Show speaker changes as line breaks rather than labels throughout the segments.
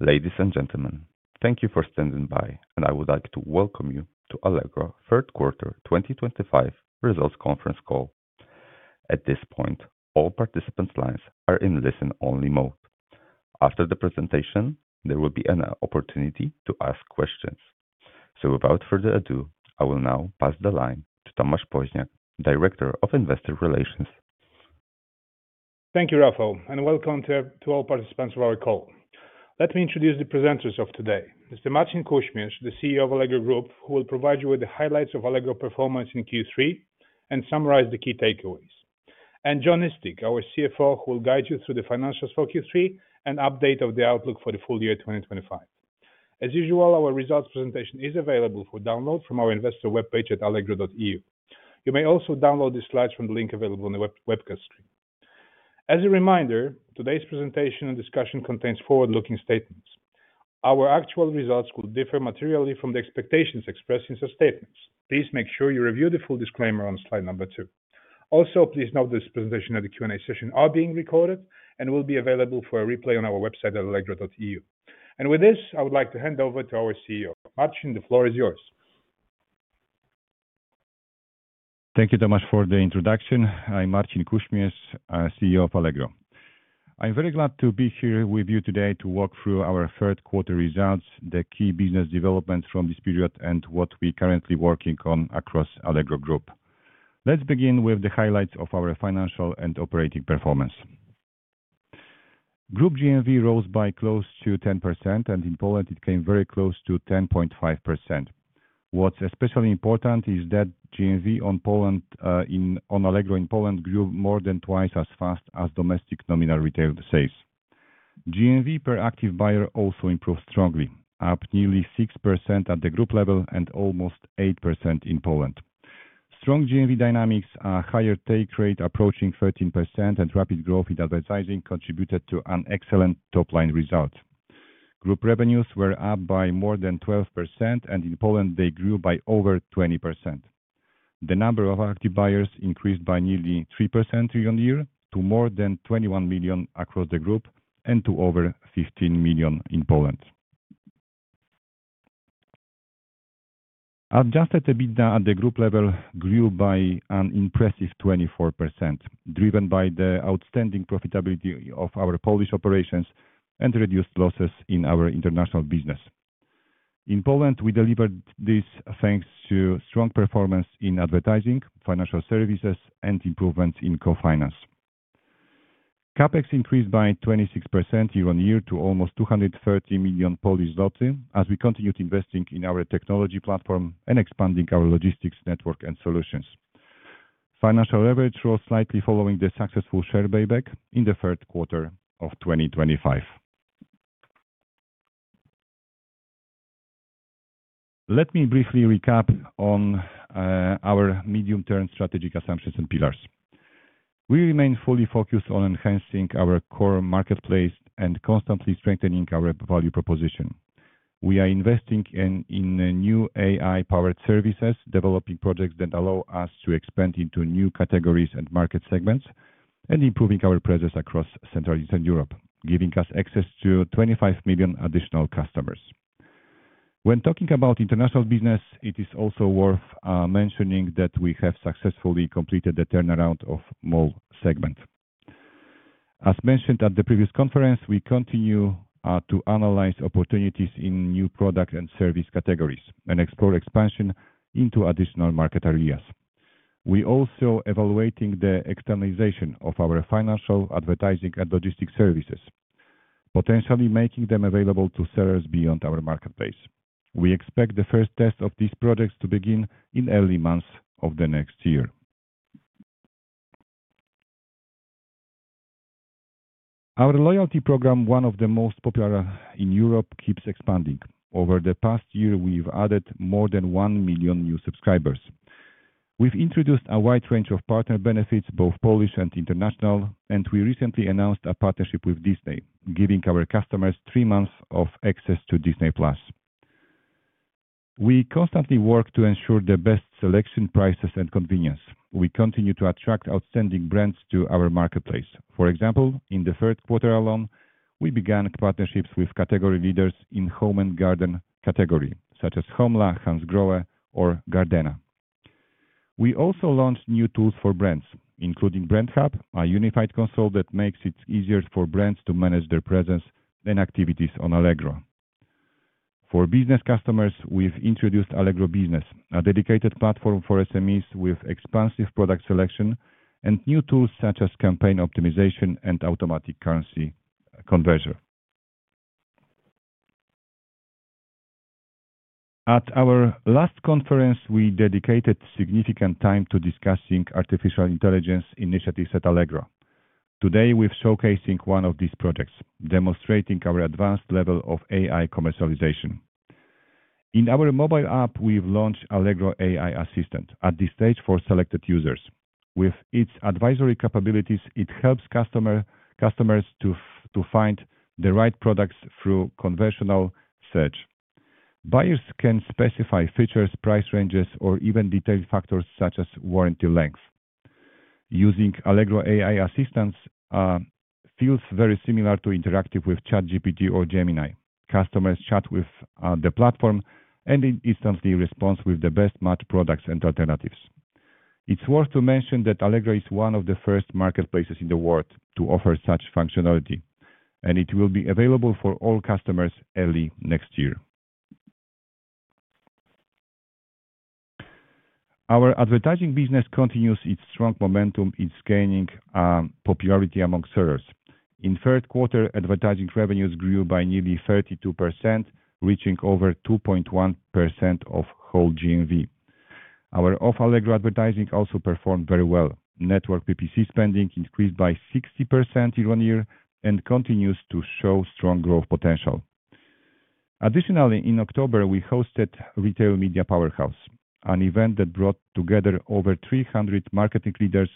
Ladies and gentlemen, thank you for standing by, and I would like to welcome you to Allegro Q3 2025 results conference call. At this point, all participants' lines are in listen-only mode. After the presentation, there will be an opportunity to ask questions. Without further ado, I will now pass the line to Tomasz Poźniak, Director of Investor Relations.
Thank you, Rafał, and welcome to all participants of our call. Let me introduce the presenters of today. Mr. Marcin Kuśmierz, the CEO of Allegro Group, who will provide you with the highlights of Allegro performance in Q3 and summarize the key takeaways. Jon Eastick, our CFO, will guide you through the financials for Q3 and update the outlook for the full year 2025. As usual, our results presentation is available for download from our investor webpage at allegro.eu. You may also download the slides from the link available on the webcast screen. As a reminder, today's presentation and discussion contain forward-looking statements. Our actual results will differ materially from the expectations expressed in such statements. Please make sure you review the full disclaimer on slide number two. Also, please note this presentation and the Q&A session are being recorded and will be available for a replay on our website at allegro.eu. With this, I would like to hand over to our CEO, Marcin. The floor is yours.
Thank you so much for the introduction. I'm Marcin Kuśmierz, CEO of Allegro. I'm very glad to be here with you today to walk through our Q3 results, the key business developments from this period, and what we're currently working on across Allegro Group. Let's begin with the highlights of our financial and operating performance. Group GMV rose by close to 10%, and in Poland, it came very close to 10.5%. What's especially important is that GMV on Allegro in Poland grew more than twice as fast as domestic nominal retail sales. GMV per active buyer also improved strongly, up nearly 6% at the group level and almost 8% in Poland. Strong GMV dynamics, a higher take rate approaching 13%, and rapid growth in advertising contributed to an excellent top-line result. Group revenues were up by more than 12%, and in Poland, they grew by over 20%. The number of active buyers increased by nearly 3% year-on-year to more than 21 million across the group and to over 15 million in Poland. Adjusted EBITDA at the group level grew by an impressive 24%, driven by the outstanding profitability of our Polish operations and reduced losses in our international business. In Poland, we delivered this thanks to strong performance in advertising, financial services, and improvements in co-finance. CapEx increased by 26% year-on-year to almost 230 million Polish zloty, as we continued investing in our technology platform and expanding our logistics network and solutions. Financial leverage rose slightly following the successful share buyback in Q3 of 2025. Let me briefly recap on our medium-term strategic assumptions and pillars. We remain fully focused on enhancing our core marketplace and constantly strengthening our value proposition. We are investing in new AI-powered services, developing projects that allow us to expand into new categories and market segments, and improving our presence across Central and Eastern Europe, giving us access to 25 million additional customers. When talking about international business, it is also worth mentioning that we have successfully completed the turnaround of the mall segment. As mentioned at the previous conference, we continue to analyze opportunities in new product and service categories and explore expansion into additional market areas. We are also evaluating the externalization of our financial, advertising, and logistics services, potentially making them available to sellers beyond our marketplace. We expect the first test of these projects to begin in the early months of next year. Our loyalty program, one of the most popular in Europe, keeps expanding. Over the past year, we've added more than 1 million new subscribers. We've introduced a wide range of partner benefits, both Polish and international, and we recently announced a partnership with Disney, giving our customers 3 months of access to Disney+. We constantly work to ensure the best selection, prices, and convenience. We continue to attract outstanding brands to our marketplace. For example, in Q3 alone, we began partnerships with category leaders in home and garden categories, such as Homla, Hansgrohe, or Gardena. We also launched new tools for brands, including BrandHub, a unified console that makes it easier for brands to manage their presence and activities on Allegro. For business customers, we've introduced Allegro Business, a dedicated platform for SMEs with expansive product selection and new tools such as campaign optimization and automatic currency conversion. At our last conference, we dedicated significant time to discussing artificial intelligence initiatives at Allegro. Today, we're showcasing one of these projects, demonstrating our advanced level of AI commercialization. In our mobile app, we've launched Allegro AI Assistant at this stage for selected users. With its advisory capabilities, it helps customers to find the right products through conversational search. Buyers can specify features, price ranges, or even detailed factors such as warranty length. Using Allegro AI Assistant feels very similar to interacting with ChatGPT or Gemini. Customers chat with the platform, and it instantly responds with the best-matched products and alternatives. It's worth mentioning that Allegro is one of the first marketplaces in the world to offer such functionality, and it will be available for all customers early next year. Our advertising business continues its strong momentum. It's gaining popularity among sellers. In Q3, advertising revenues grew by nearly 32%, reaching over 2.1% of whole GMV. Our off-Allegro advertising also performed very well. Network PPC spending increased by 60% year-on-year and continues to show strong growth potential. Additionally, in October, we hosted Retail Media Powerhouse, an event that brought together over 300 marketing leaders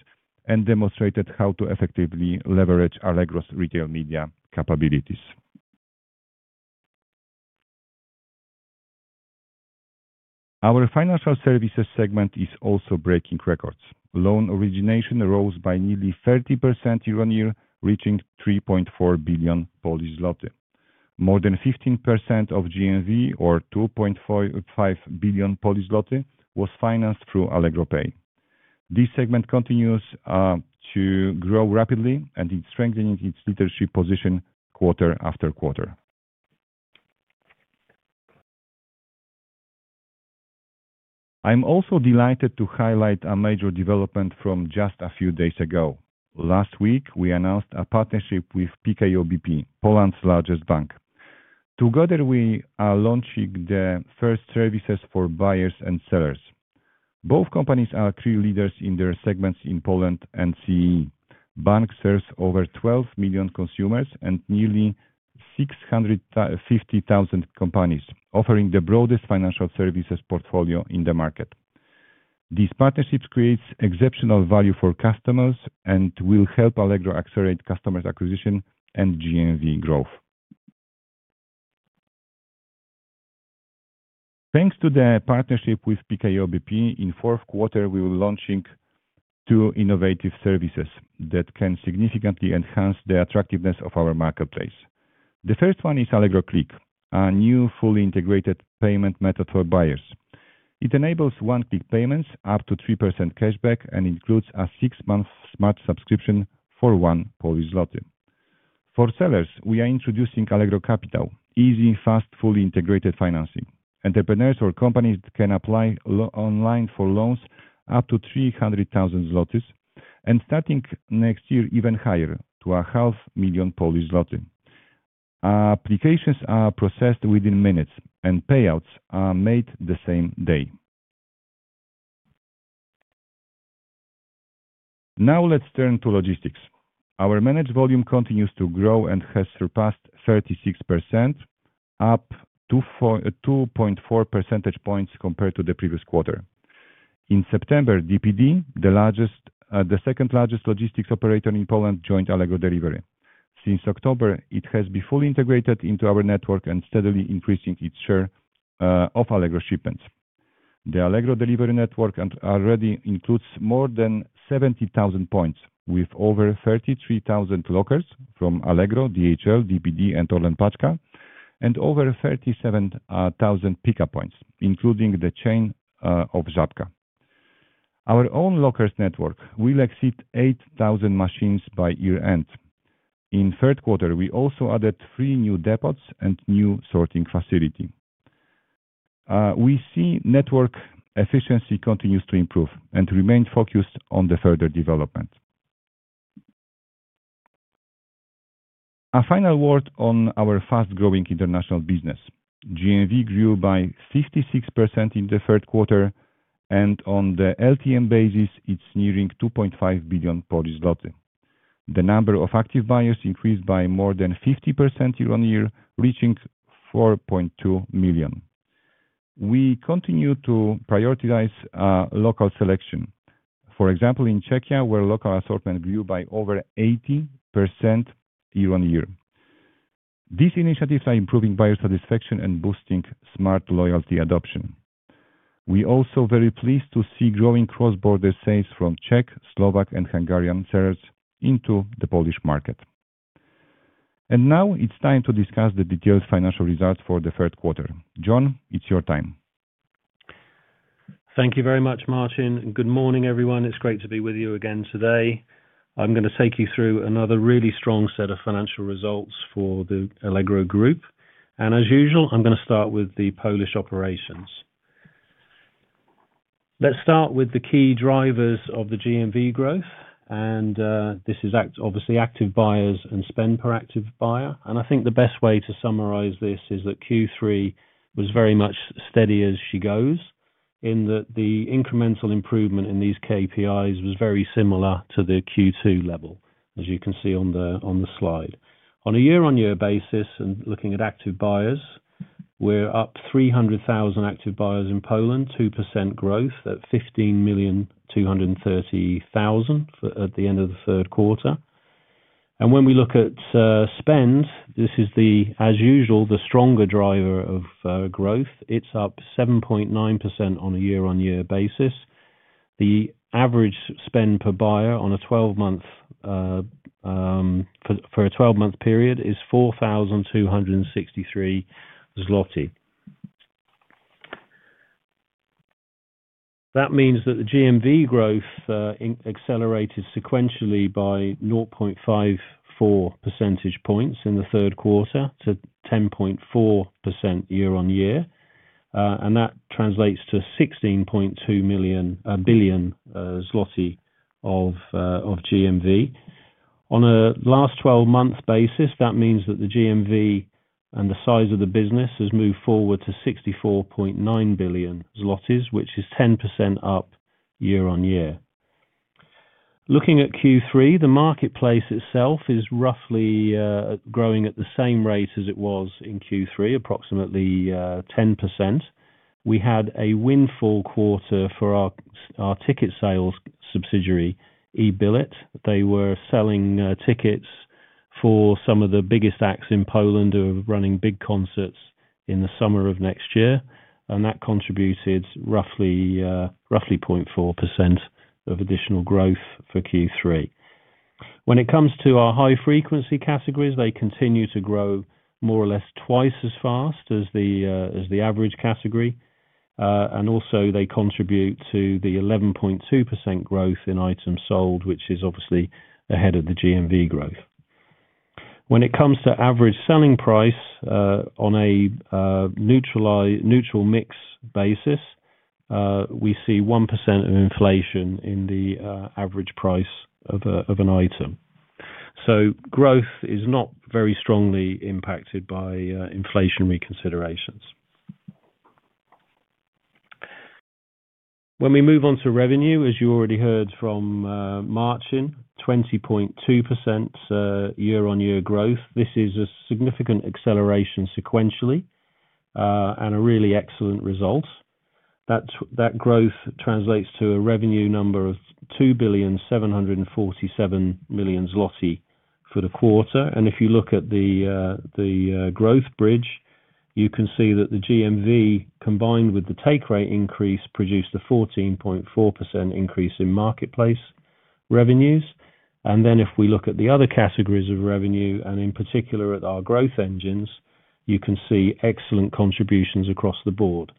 and demonstrated how to effectively leverage Allegro's retail media capabilities. Our financial services segment is also breaking records. Loan origination rose by nearly 30% year-on-year, reaching 3.4 billion Polish zloty. More than 15% of GMV, or 2.5 billion Polish zloty, was financed through Allegro Pay. This segment continues to grow rapidly, and it's strengthening its leadership position quarter after quarter. I'm also delighted to highlight a major development from just a few days ago. Last week, we announced a partnership with PKO BP, Poland's largest bank. Together, we are launching the first services for buyers and sellers. Both companies are key leaders in their segments in Poland and Central and Eastern Europe. The bank serves over 12 million consumers and nearly 650,000 companies, offering the broadest financial services portfolio in the market. These partnerships create exceptional value for customers and will help Allegro accelerate customer acquisition and GMV growth. Thanks to the partnership with PKO BP, in Q4, we were launching two innovative services that can significantly enhance the attractiveness of our marketplace. The first one is Allegro Klik, a new fully integrated payment method for buyers. It enables one-click payments, up to 3% cashback, and includes a 6-month Smart! subscription for 1 Polish zloty. For sellers, we are introducing Allegro Kapital, easy, fast, fully integrated financing. Entrepreneurs or companies can apply online for loans up to 300,000 zlotys, and starting next year, even higher, to 500,000 Polish zloty. Applications are processed within minutes, and payouts are made the same day. Now let's turn to logistics. Our managed volume continues to grow and has surpassed 36%, up 2.4 percentage points compared to the previous quarter. In September, DPD, the second-largest logistics operator in Poland, joined Allegro Delivery. Since October, it has been fully integrated into our network and steadily increasing its share of Allegro shipments. The Allegro Delivery Network already includes more than 70,000 points, with over 33,000 lockers from Allegro, DHL, DPD, and ORLEN Paczka, and over 37,000 pickup points, including the chain of Żabka. Our own lockers network will exceed 8,000 machines by year-end. In Q4, we also added three new depots and a new sorting facility. We see network efficiency continues to improve and remain focused on the further development. A final word on our fast-growing international business. GMV grew by 56% in Q4, and on the LTM basis, it's nearing 2.5 billion Polish zloty. The number of active buyers increased by more than 50% year-on-year, reaching 4.2 million. We continue to prioritize local selection. For example, in Czechia, where local assortment grew by over 80% year-on-year. These initiatives are improving buyer satisfaction and boosting Smart! loyalty adoption. We are also very pleased to see growing cross-border sales from Czech, Slovak, and Hungarian sellers into the Polish market. Now it is time to discuss the detailed financial results for Q4. Jon, it is your time.
Thank you very much, Marcin. Good morning, everyone. It's great to be with you again today. I'm going to take you through another really strong set of financial results for the Allegro Group. As usual, I'm going to start with the Polish operations. Let's start with the key drivers of the GMV growth. This is obviously active buyers and spend per active buyer. I think the best way to summarize this is that Q3 was very much steady as she goes, in that the incremental improvement in these KPIs was very similar to the Q2 level, as you can see on the slide. On a year-on-year basis, and looking at active buyers, we're up 300,000 active buyers in Poland, 2% growth at 15,230,000 at the end of Q4. When we look at spend, this is, as usual, the stronger driver of growth. It's up 7.9% on a year-on-year basis. The average spend per buyer on a 12-month period is PLN 4,263. That means that the GMV growth accelerated sequentially by 0.54 percentage points in Q4 to 10.4% year-on-year. That translates to 16.2 billion zloty of GMV. On a last 12-month basis, that means that the GMV and the size of the business has moved forward to 64.9 billion zlotys, which is 10% up year-on-year. Looking at Q3, the marketplace itself is roughly growing at the same rate as it was in Q3, approximately 10%. We had a windfall quarter for our ticket sales subsidiary, eBillet. They were selling tickets for some of the biggest acts in Poland who are running big concerts in the summer of next year. That contributed roughly 0.4% of additional growth for Q3. When it comes to our high-frequency categories, they continue to grow more or less twice as fast as the average category. They also contribute to the 11.2% growth in items sold, which is obviously ahead of the GMV growth. When it comes to average selling price, on a neutral mix basis, we see 1% of inflation in the average price of an item. Growth is not very strongly impacted by inflationary considerations. When we move on to revenue, as you already heard from Marcin, 20.2% year-on-year growth. This is a significant acceleration sequentially and a really excellent result. That growth translates to a revenue number of 2.747 billion for the quarter. If you look at the growth bridge, you can see that the GMV, combined with the take-rate increase, produced a 14.4% increase in marketplace revenues. If we look at the other categories of revenue, and in particular at our growth engines, you can see excellent contributions across the board.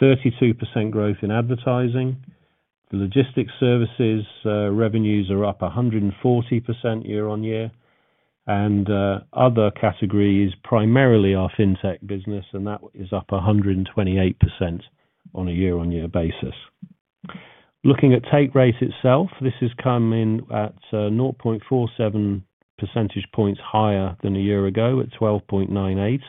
32% growth in advertising. The logistics services revenues are up 140% year-on-year. The other category is primarily our fintech business, and that is up 128% on a year-on-year basis. Looking at take-rate itself, this has come in at 0.47 percentage points higher than a year ago at 12.98%.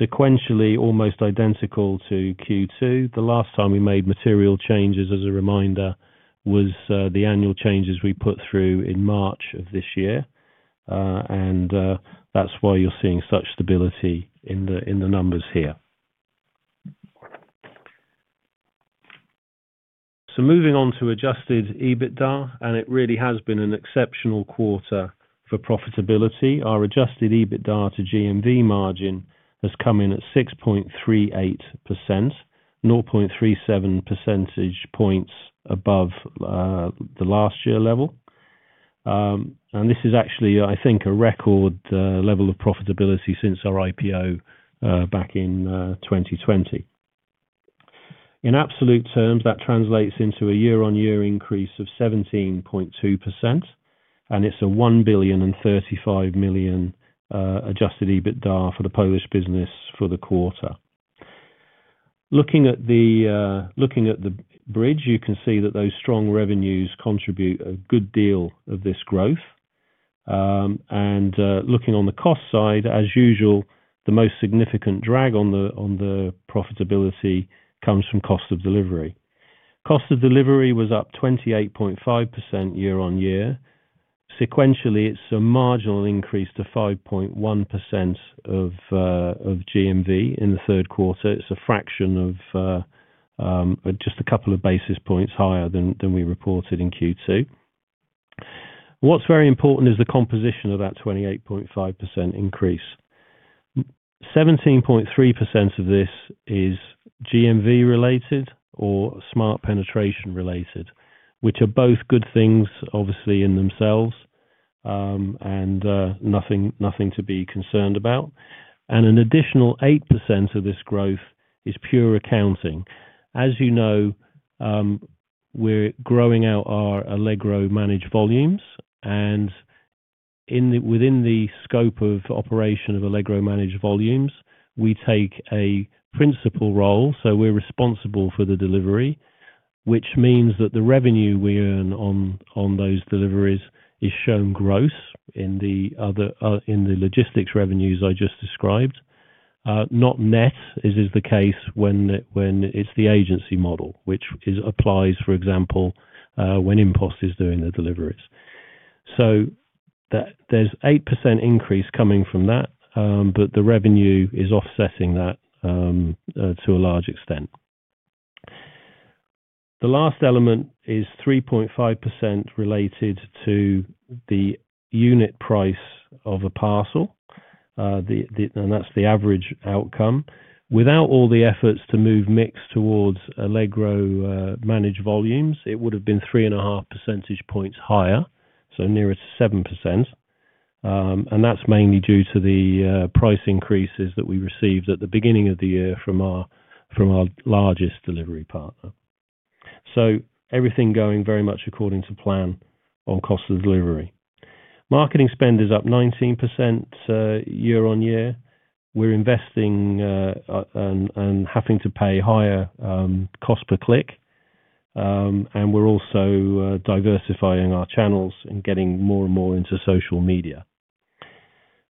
Sequentially, almost identical to Q2. The last time we made material changes, as a reminder, was the annual changes we put through in March of this year. That is why you are seeing such stability in the numbers here. Moving on to adjusted EBITDA, it really has been an exceptional quarter for profitability. Our adjusted EBITDA to GMV margin has come in at 6.38%, 0.37 percentage points above the last year level. This is actually, I think, a record level of profitability since our IPO back in 2020. In absolute terms, that translates into a year-on-year increase of 17.2%. It is a 1.035 billion adjusted EBITDA for the Polish business for the quarter. Looking at the bridge, you can see that those strong revenues contribute a good deal of this growth. Looking on the cost side, as usual, the most significant drag on the profitability comes from cost of delivery. Cost of delivery was up 28.5% year-on-year. Sequentially, it is a marginal increase to 5.1% of GMV in Q4. It is a fraction of just a couple of basis points higher than we reported in Q2. What is very important is the composition of that 28.5% increase. 17.3% of this is GMV-related or Smart! penetration-related, which are both good things, obviously, in themselves, and nothing to be concerned about. An additional 8% of this growth is pure accounting. As you know, we're growing out our Allegro-managed volumes. Within the scope of operation of Allegro-managed volumes, we take a principal role. We are responsible for the delivery, which means that the revenue we earn on those deliveries is shown gross in the logistics revenues I just described, not net, as is the case when it is the agency model, which applies, for example, when InPost is doing the deliveries. There is an 8% increase coming from that, but the revenue is offsetting that to a large extent. The last element is 3.5% related to the unit price of a parcel, and that is the average outcome. Without all the efforts to move mix towards Allegro-managed volumes, it would have been 3.5 percentage points higher, so nearer to 7%. That is mainly due to the price increases that we received at the beginning of the year from our largest delivery partner. Everything is going very much according to plan on cost of delivery. Marketing spend is up 19% year-on-year. We are investing and having to pay higher cost per click. We are also diversifying our channels and getting more and more into social media.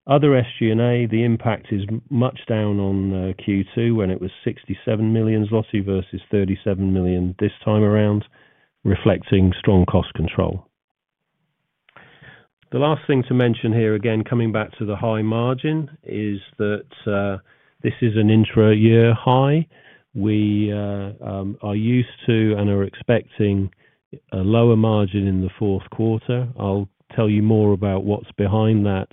Other SG&A, the impact is much down on Q2 when it was 67 million zloty versus 37 million this time around, reflecting strong cost control. The last thing to mention here, again, coming back to the high margin, is that this is an intra-year high. We are used to and are expecting a lower margin in Q4. I will tell you more about what is behind that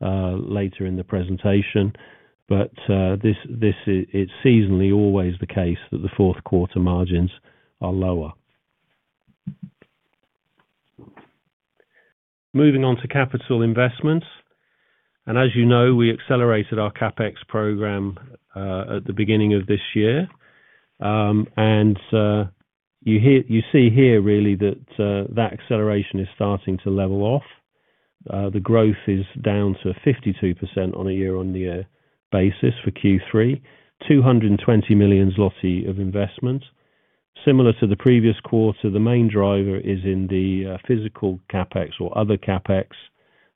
later in the presentation. It is seasonally always the case that the Q4 margins are lower. Moving on to capital investments. As you know, we accelerated our CapEx program at the beginning of this year. You see here, really, that that acceleration is starting to level off. The growth is down to 52% on a year-on-year basis for Q3, 220 million zloty of investment. Similar to the previous quarter, the main driver is in the physical CapEx or other CapEx.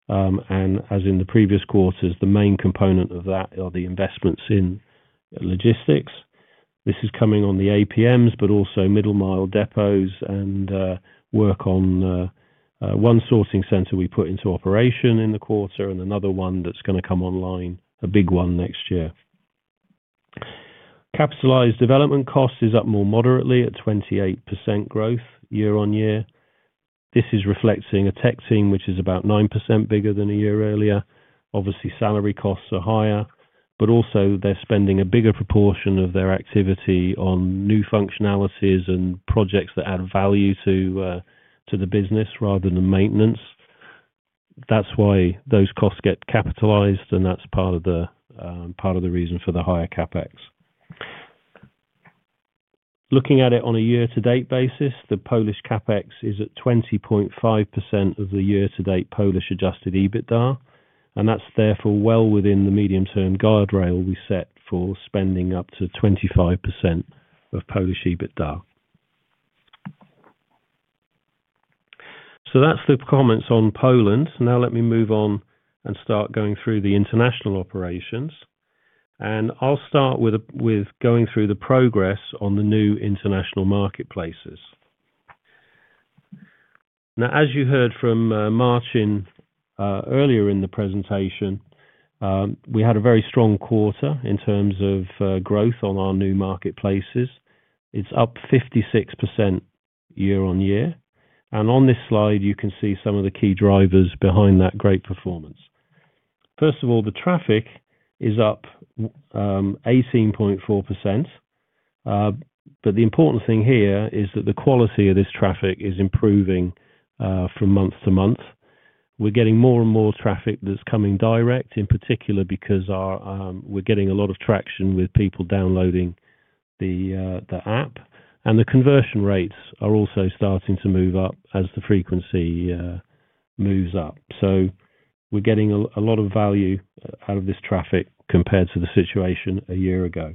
As in the previous quarters, the main component of that are the investments in logistics. This is coming on the APMs, but also middle-mile depots and work on one sorting center we put into operation in Q4 and another one that is going to come online, a big one next year. Capitalized development cost is up more moderately at 28% growth year-on-year. This is reflecting a tech team, which is about 9% bigger than a year earlier. Obviously, salary costs are higher, but also they're spending a bigger proportion of their activity on new functionalities and projects that add value to the business rather than maintenance. That's why those costs get capitalized, and that's part of the reason for the higher CapEx. Looking at it on a year-to-date basis, the Polish CapEx is at 20.5% of the year-to-date Polish adjusted EBITDA. That's therefore well within the medium-term guardrail we set for spending up to 25% of Polish EBITDA. That's the comments on Poland. Now let me move on and start going through the international operations. I'll start with going through the progress on the new international marketplaces. As you heard from Marcin earlier in the presentation, we had a very strong quarter in terms of growth on our new marketplaces. It's up 56% year-on-year. On this slide, you can see some of the key drivers behind that great performance. First of all, the traffic is up 18.4%. The important thing here is that the quality of this traffic is improving from month to month. We're getting more and more traffic that's coming direct, in particular because we're getting a lot of traction with people downloading the app. The conversion rates are also starting to move up as the frequency moves up. We're getting a lot of value out of this traffic compared to the situation a year ago.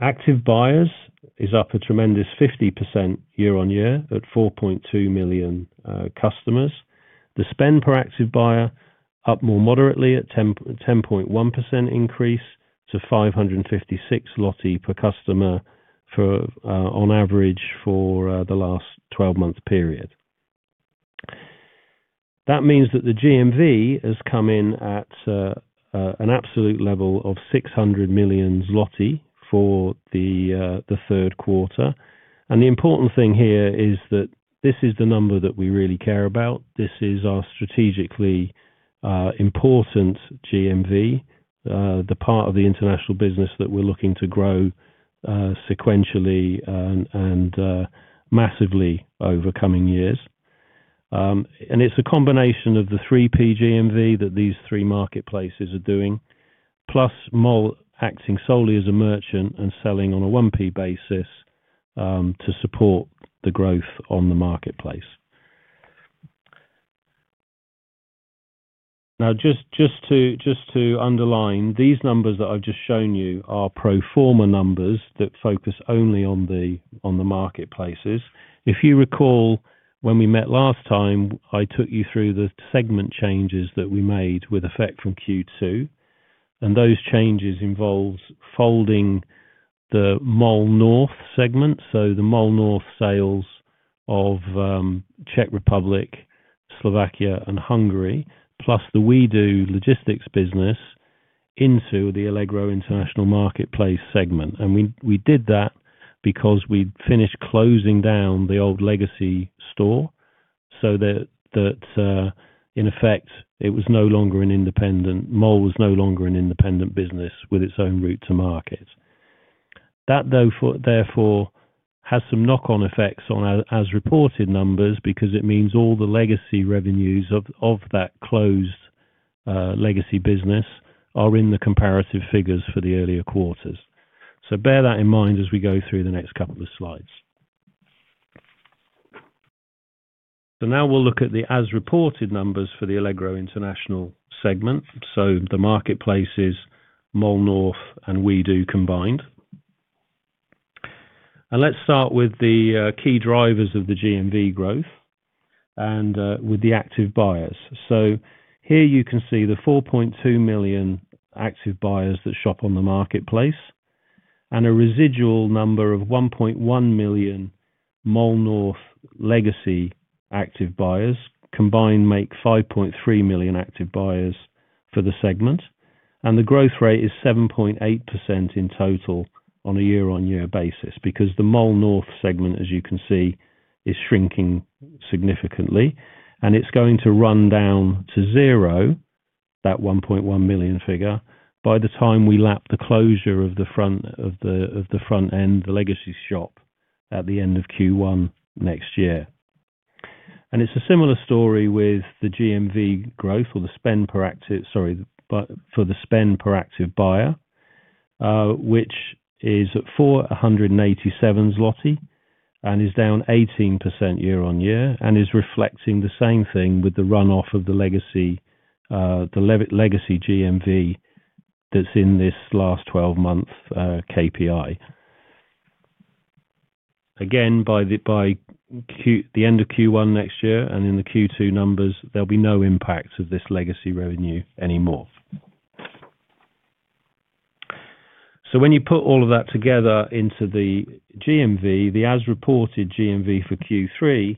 Active buyers is up a tremendous 50% year-on-year at 4.2 million customers. The spend per active buyer is up more moderately at a 10.1% increase to 556 per customer on average for the last 12-month period. That means that the GMV has come in at an absolute level of 600 million zloty for the Q3. The important thing here is that this is the number that we really care about. This is our strategically important GMV, the part of the international business that we're looking to grow sequentially and massively over coming years. It is a combination of the 3P GMV that these three marketplaces are doing, plus Mall North acting solely as a merchant and selling on a 1P basis to support the growth on the marketplace. Just to underline, these numbers that I've just shown you are pro forma numbers that focus only on the marketplaces. If you recall, when we met last time, I took you through the segment changes that we made with effect from Q2. Those changes involved folding the Mall North segment, so the Mall North sales of Czechia, Slovakia, and Hungary, plus the WE|DO logistics business into the Allegro international marketplace segment. We did that because we finished closing down the old legacy store so that, in effect, it was no longer an independent, Mall North no longer an independent business with its own route to market. That, therefore, has some knock-on effects on our as-reported numbers because it means all the legacy revenues of that closed legacy business are in the comparative figures for the earlier quarters. Bear that in mind as we go through the next couple of slides. Now we'll look at the as-reported numbers for the Allegro international segment, so the marketplaces, Mall North, and WE|DO combined. Let's start with the key drivers of the GMV growth and with the active buyers. Here you can see the 4.2 million active buyers that shop on the marketplace and a residual number of 1.1 million Mall North legacy active buyers combined make 5.3 million active buyers for the segment. The growth rate is 7.8% in total on a year-on-year basis because the Mall North segment, as you can see, is shrinking significantly. It is going to run down to zero, that 1.1 million figure, by the time we lap the closure of the front end, the legacy shop at the end of Q1 next year. It is a similar story with the GMV growth or the spend per active, sorry, for the spend per active buyer, which is at 487 and is down 18% year-on-year and is reflecting the same thing with the run-off of the legacy GMV that is in this last 12-month KPI. Again, by the end of Q1 next year and in the Q2 numbers, there will be no impact of this legacy revenue anymore. When you put all of that together into the GMV, the as-reported GMV for Q3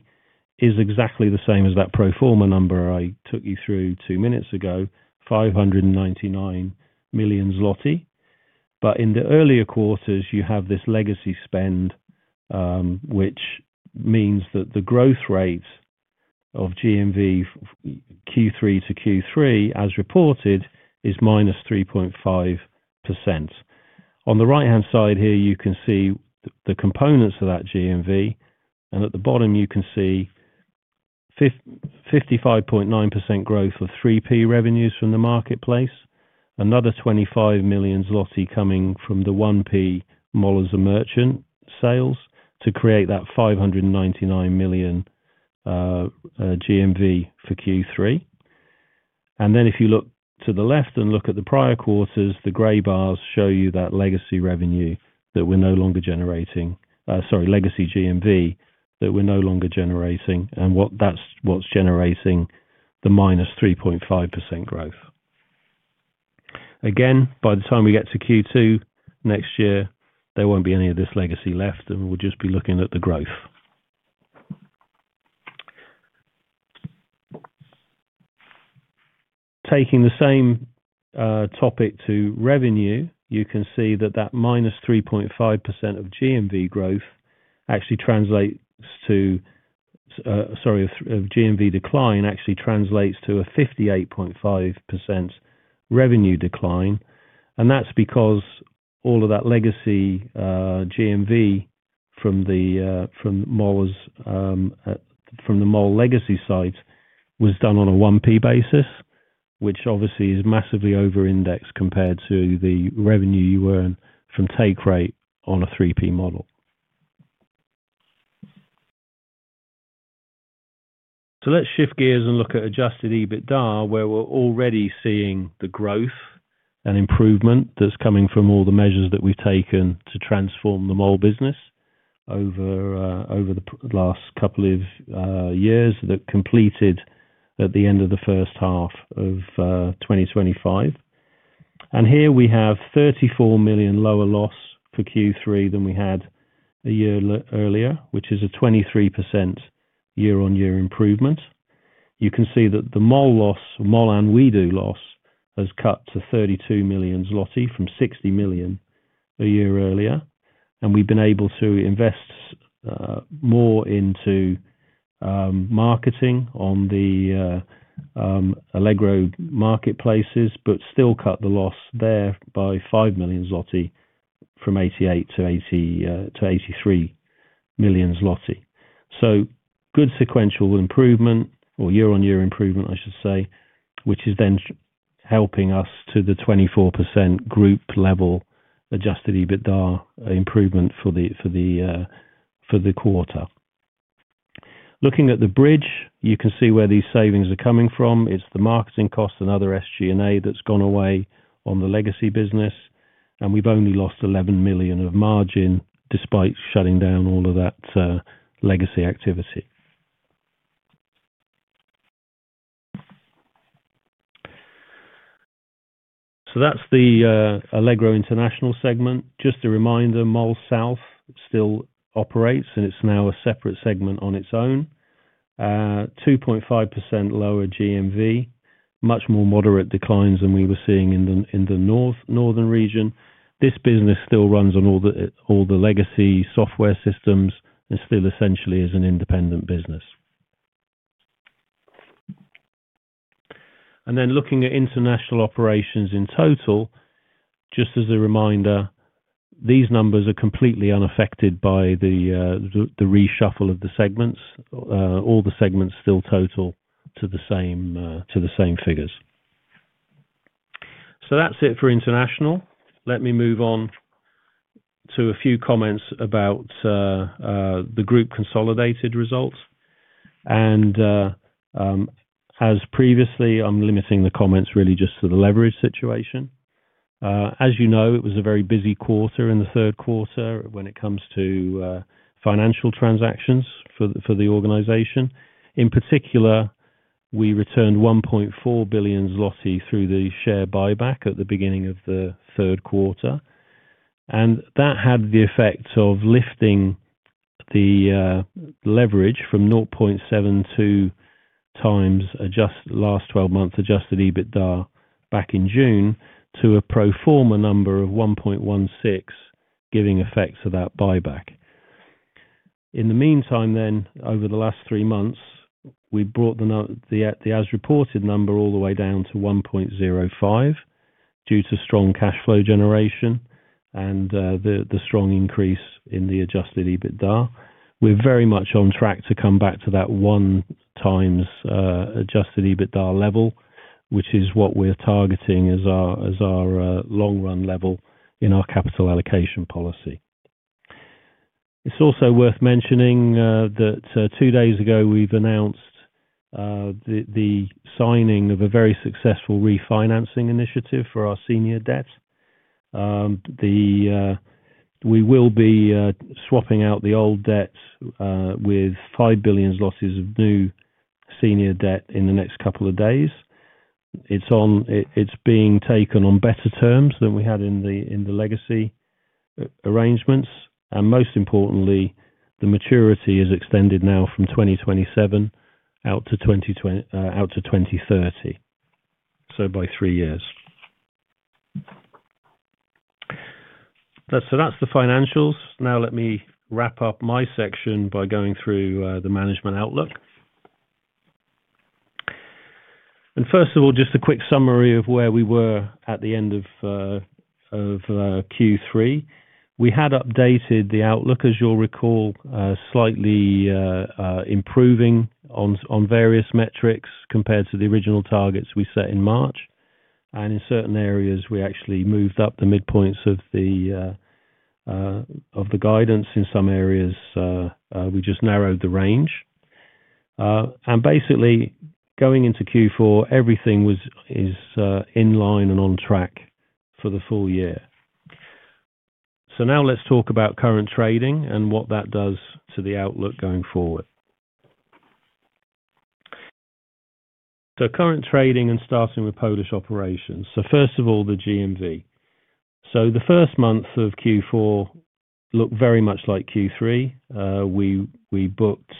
is exactly the same as that pro forma number I took you through two minutes ago, 599 million zloty. In the earlier quarters, you have this legacy spend, which means that the growth rate of GMV Q3 to Q3, as reported, is -3.5%. On the right-hand side here, you can see the components of that GMV. At the bottom, you can see 55.9% growth of 3P revenues from the marketplace, another 25 million zloty coming from the 1P Mall North as a merchant sales to create that 599 million GMV for Q3. If you look to the left and look at the prior quarters, the gray bars show you that legacy revenue that we're no longer generating, sorry, legacy GMV that we're no longer generating and what's generating the -3.5% growth. Again, by the time we get to Q2 next year, there won't be any of this legacy left, and we'll just be looking at the growth. Taking the same topic to revenue, you can see that that -3.5% of GMV growth actually translates to, sorry, of GMV decline actually translates to a 58.5% revenue decline. That's because all of that legacy GMV from the Mall North legacy site was done on a 1P basis, which obviously is massively over-indexed compared to the revenue you earn from take rate on a 3P model. Let's shift gears and look at adjusted EBITDA, where we're already seeing the growth and improvement that's coming from all the measures that we've taken to transform the Mall North business over the last couple of years that completed at the end of the first half of 2025. Here we have 34 million lower loss for Q3 than we had a year earlier, which is a 23% year-on-year improvement. You can see that the Mall North loss, Mall North and WE|DO loss, has cut to 32 million zloty from 60 million a year earlier. We've been able to invest more into marketing on the Allegro marketplaces but still cut the loss there by 5 million zloty from 88 million to 83 million zloty. Good sequential improvement or year-on-year improvement, I should say, which is then helping us to the 24% group-level adjusted EBITDA improvement for the quarter. Looking at the bridge, you can see where these savings are coming from. It's the marketing cost and other SG&A that's gone away on the legacy business. We've only lost 11 million of margin despite shutting down all of that legacy activity. That's the Allegro international segment. Just a reminder, Mall North South still operates, and it's now a separate segment on its own. GMV is 2.5% lower, much more moderate declines than we were seeing in the northern region. This business still runs on all the legacy software systems and still essentially is an independent business. Looking at international operations in total, just as a reminder, these numbers are completely unaffected by the reshuffle of the segments. All the segments still total to the same figures. That's it for international. Let me move on to a few comments about the group consolidated results. As previously, I'm limiting the comments really just to the leverage situation. As you know, it was a very busy quarter in the third quarter when it comes to financial transactions for the organization. In particular, we returned 1.4 billion zloty through the share buyback at the beginning of the third quarter. That had the effect of lifting the leverage from 0.72 times last 12-month adjusted EBITDA back in June to a pro forma number of 1.16, giving effect to that buyback. In the meantime, over the last 3 months, we brought the as-reported number all the way down to 1.05 due to strong cash flow generation and the strong increase in the adjusted EBITDA. We're very much on track to come back to that 1 times adjusted EBITDA level, which is what we're targeting as our long-run level in our capital allocation policy. It's also worth mentioning that two days ago, we've announced the signing of a very successful refinancing initiative for our senior debt. We will be swapping out the old debt with 5 billion of new senior debt in the next couple of days. It's being taken on better terms than we had in the legacy arrangements. Most importantly, the maturity is extended now from 2027 out to 2030, so by 3 years. That's the financials. Now, let me wrap up my section by going through the management outlook. First of all, just a quick summary of where we were at the end of Q3. We had updated the outlook, as you'll recall, slightly improving on various metrics compared to the original targets we set in March. In certain areas, we actually moved up the midpoints of the guidance. In some areas, we just narrowed the range. Basically, going into Q4, everything is in line and on track for the full year. Now let's talk about current trading and what that does to the outlook going forward. Current trading and starting with Polish operations. First of all, the GMV. The first month of Q4 looked very much like Q3. We booked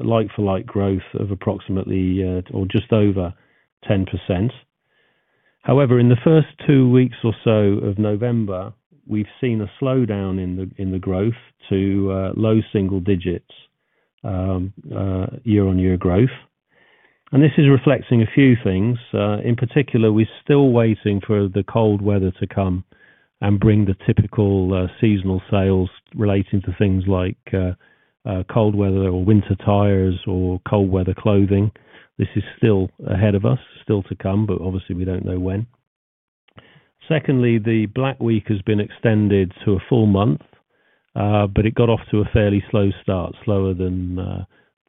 like-for-like growth of approximately or just over 10%. However, in the first two weeks or so of November, we've seen a slowdown in the growth to low single digits year-on-year growth. This is reflecting a few things. In particular, we're still waiting for the cold weather to come and bring the typical seasonal sales relating to things like cold weather or winter tires or cold weather clothing. This is still ahead of us, still to come, but obviously, we don't know when. Secondly, the Black Week has been extended to a full month, but it got off to a fairly slow start, slower than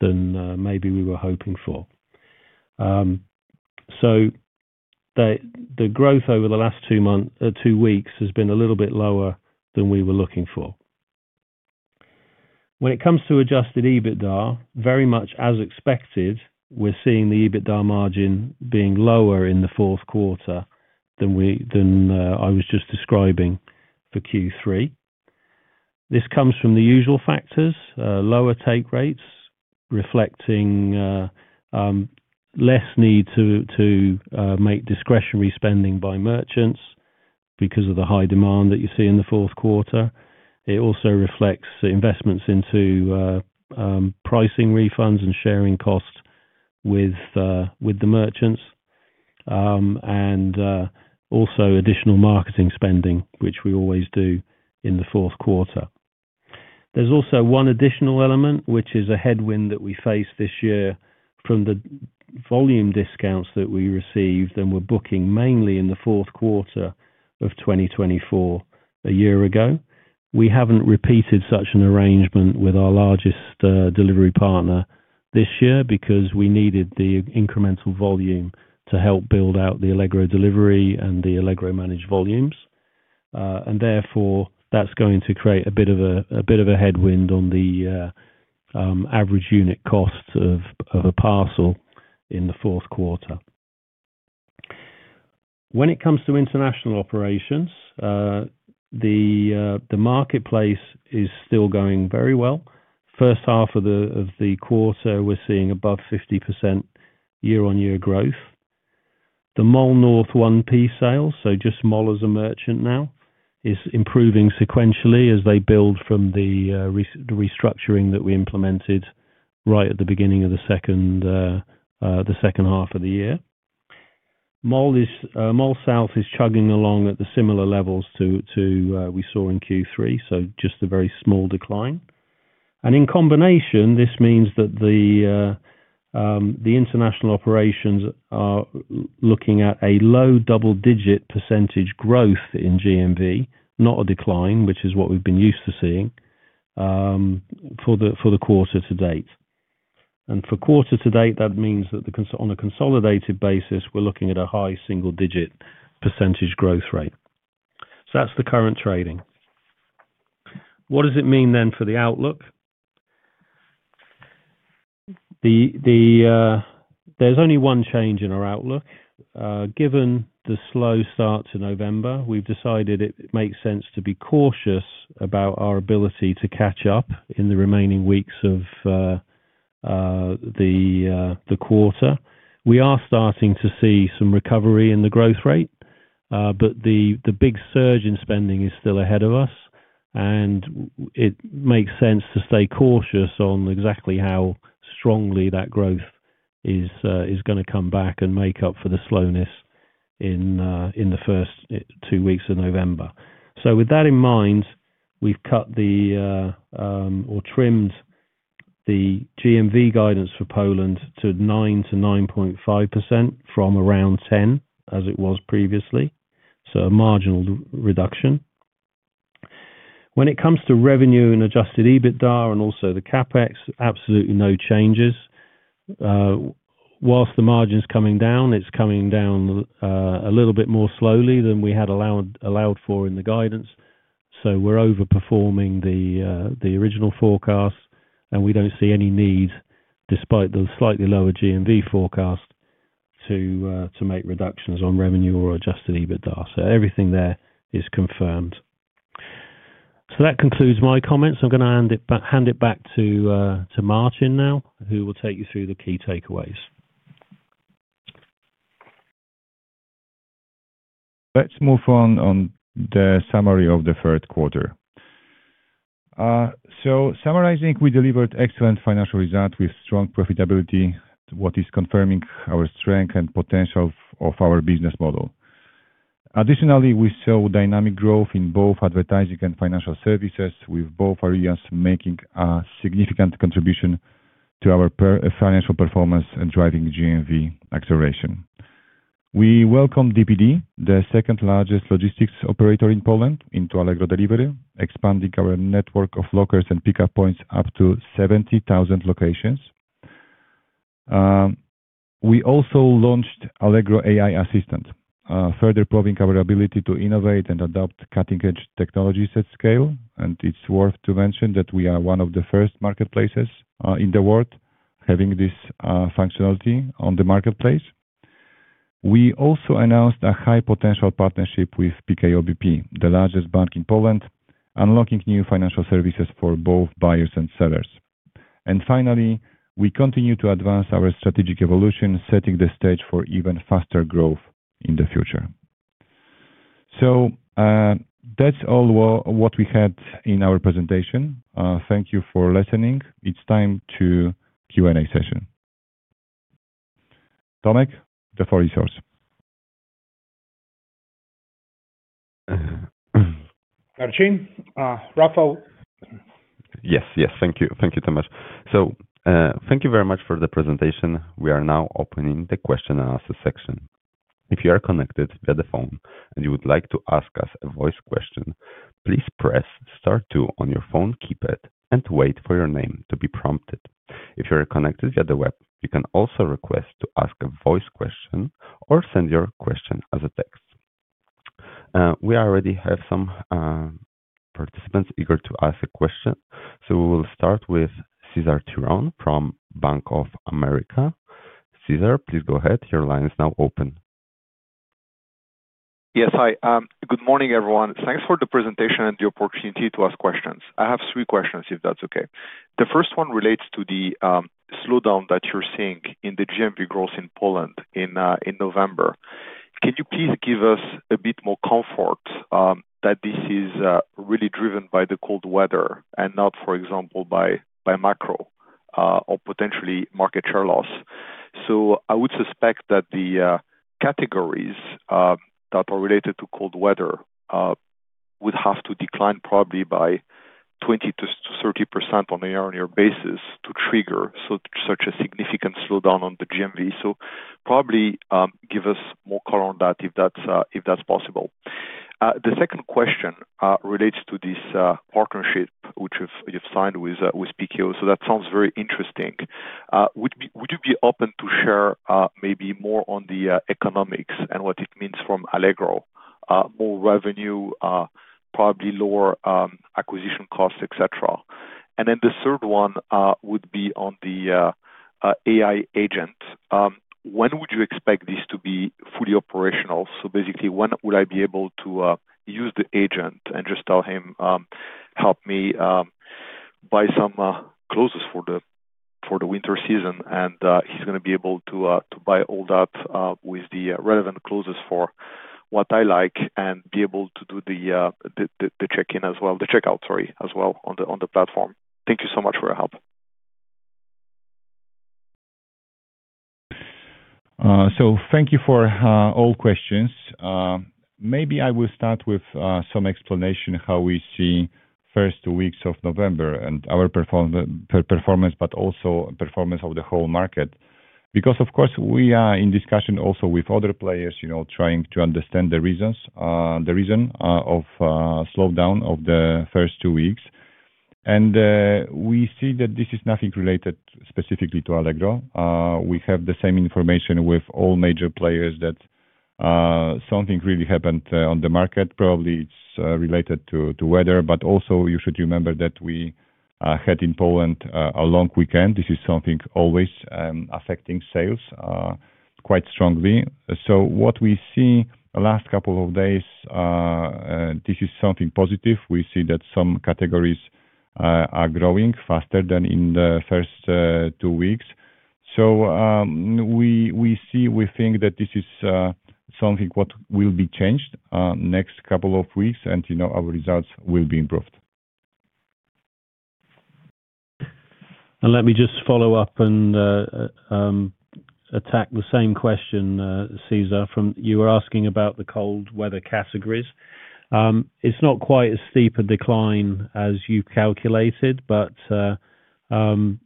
maybe we were hoping for. The growth over the last two weeks has been a little bit lower than we were looking for. When it comes to adjusted EBITDA, very much as expected, we're seeing the EBITDA margin being lower in the fourth quarter than I was just describing for Q3. This comes from the usual factors: lower take rates, reflecting less need to make discretionary spending by merchants because of the high demand that you see in the fourth quarter. It also reflects investments into pricing refunds and sharing costs with the merchants and also additional marketing spending, which we always do in the fourth quarter. There's also one additional element, which is a headwind that we faced this year from the volume discounts that we received and were booking mainly in the fourth quarter of 2023 a year ago. We have not repeated such an arrangement with our largest delivery partner this year because we needed the incremental volume to help build out the Allegro Delivery and the Allegro-managed volumes. Therefore, that is going to create a bit of a headwind on the average unit cost of a parcel in the fourth quarter. When it comes to international operations, the marketplace is still going very well. First half of the quarter, we are seeing above 50% year-on-year growth. The Mall North 1P sales, so just Mall North as a merchant now, is improving sequentially as they build from the restructuring that we implemented right at the beginning of the second half of the year. Mall South is chugging along at the similar levels to what we saw in Q3, so just a very small decline. In combination, this means that the international operations are looking at a low double-digit percentage growth in GMV, not a decline, which is what we've been used to seeing for the quarter-to-date. For quarter-to-date, that means that on a consolidated basis, we're looking at a high single-digit percentage growth rate. That's the current trading. What does it mean then for the outlook? There's only one change in our outlook. Given the slow start to November, we've decided it makes sense to be cautious about our ability to catch up in the remaining weeks of the quarter. We are starting to see some recovery in the growth rate, but the big surge in spending is still ahead of us. It makes sense to stay cautious on exactly how strongly that growth is going to come back and make up for the slowness in the first two weeks of November. With that in mind, we have cut or trimmed the GMV guidance for Poland to 9%-9.5% from around 10%, as it was previously. A marginal reduction. When it comes to revenue and adjusted EBITDA and also the CapEx, absolutely no changes. Whilst the margin is coming down, it is coming down a little bit more slowly than we had allowed for in the guidance. We are overperforming the original forecast, and we do not see any need, despite the slightly lower GMV forecast, to make reductions on revenue or adjusted EBITDA. Everything there is confirmed. That concludes my comments. I am going to hand it back to Marcin now, who will take you through the key takeaways.
Let's move on to the summary of the third quarter. Summarizing, we delivered excellent financial results with strong profitability, which is confirming our strength and potential of our business model. Additionally, we saw dynamic growth in both advertising and financial services, with both areas making a significant contribution to our financial performance and driving GMV acceleration. We welcomed DPD, the second-largest logistics operator in Poland, into Allegro Delivery, expanding our network of lockers and pickup points up to 70,000 locations. We also launched Allegro AI Assistant, further proving our ability to innovate and adopt cutting-edge technologies at scale. It is worth mentioning that we are one of the first marketplaces in the world having this functionality on the marketplace. We also announced a high-potential partnership with PKO BP, the largest bank in Poland, unlocking new financial services for both buyers and sellers. Finally, we continue to advance our strategic evolution, setting the stage for even faster growth in the future. That is all we had in our presentation. Thank you for listening. It is time for the Q&A session. Tomek, the floor is yours.
Marcin, Rafał.
Yes, yes. Thank you. Thank you so much. Thank you very much for the presentation. We are now opening the question and answer section. If you are connected via the phone and you would like to ask us a voice question, please press star two on your phone keypad and wait for your name to be prompted. If you are connected via the web, you can also request to ask a voice question or send your question as a text. We already have some participants eager to ask a question. We will start with Cesar Tiron from Bank of America. Cesar, please go ahead. Your line is now open.
Yes, hi. Good morning, everyone. Thanks for the presentation and the opportunity to ask questions. I have three questions, if that's okay. The first one relates to the slowdown that you're seeing in the GMV growth in Poland in November. Can you please give us a bit more comfort that this is really driven by the cold weather and not, for example, by macro or potentially market share loss? I would suspect that the categories that are related to cold weather would have to decline probably by 20%-30% on a year-on-year basis to trigger such a significant slowdown on the GMV. Probably give us more color on that, if that's possible. The second question relates to this partnership which you've signed with PKO. That sounds very interesting. Would you be open to share maybe more on the economics and what it means from Allegro? More revenue, probably lower acquisition costs, etc. The third one would be on the AI agent. When would you expect this to be fully operational? Basically, when would I be able to use the agent and just tell him, "Help me buy some clothes for the winter season?" He is going to be able to buy all that with the relevant clothes for what I like and be able to do the check-in as well, the checkout, sorry, as well on the platform. Thank you so much for your help.
Thank you for all questions. Maybe I will start with some explanation how we see the first two weeks of November and our performance, but also performance of the whole market. Because, of course, we are in discussion also with other players trying to understand the reason of slowdown of the first two weeks. We see that this is nothing related specifically to Allegro. We have the same information with all major players that something really happened on the market. Probably it's related to weather, but also you should remember that we had in Poland a long weekend. This is something always affecting sales quite strongly. What we see the last couple of days, this is something positive. We see that some categories are growing faster than in the first two weeks. We see, we think that this is something what will be changed in the next couple of weeks, and our results will be improved.
Let me just follow up and attack the same question, Cesar. You were asking about the cold weather categories. It's not quite as steep a decline as you calculated, but yeah,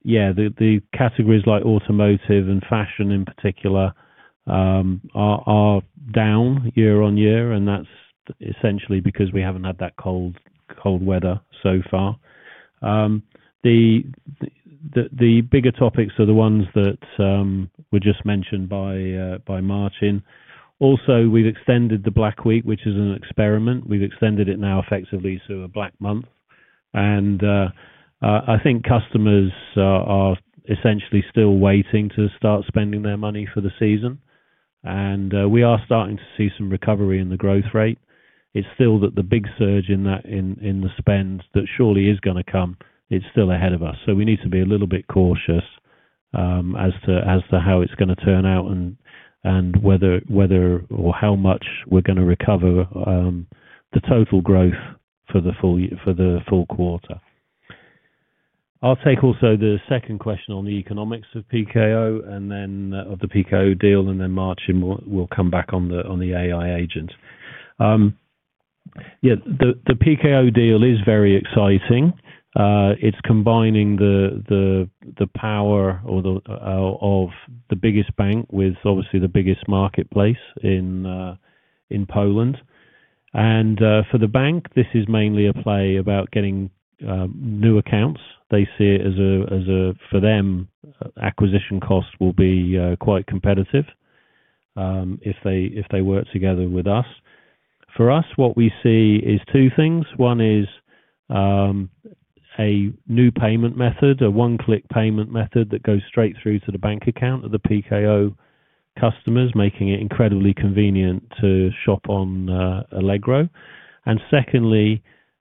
the categories like automotive and fashion in particular are down year-on-year, and that's essentially because we haven't had that cold weather so far. The bigger topics are the ones that were just mentioned by Marcin. Also, we've extended the Black Week, which is an experiment. We've extended it now effectively to a Black Month. I think customers are essentially still waiting to start spending their money for the season. We are starting to see some recovery in the growth rate. It's still that the big surge in the spend that surely is going to come, it's still ahead of us. We need to be a little bit cautious as to how it's going to turn out and whether or how much we're going to recover the total growth for the full quarter. I'll take also the second question on the economics of PKO and then of the PKO deal, and then Marcin will come back on the AI agent. Yeah, the PKO deal is very exciting. It's combining the power of the biggest bank with obviously the biggest marketplace in Poland. For the bank, this is mainly a play about getting new accounts. They see it as a, for them, acquisition cost will be quite competitive if they work together with us. For us, what we see is two things. One is a new payment method, a one-click payment method that goes straight through to the bank account of the PKO customers, making it incredibly convenient to shop on Allegro. Secondly,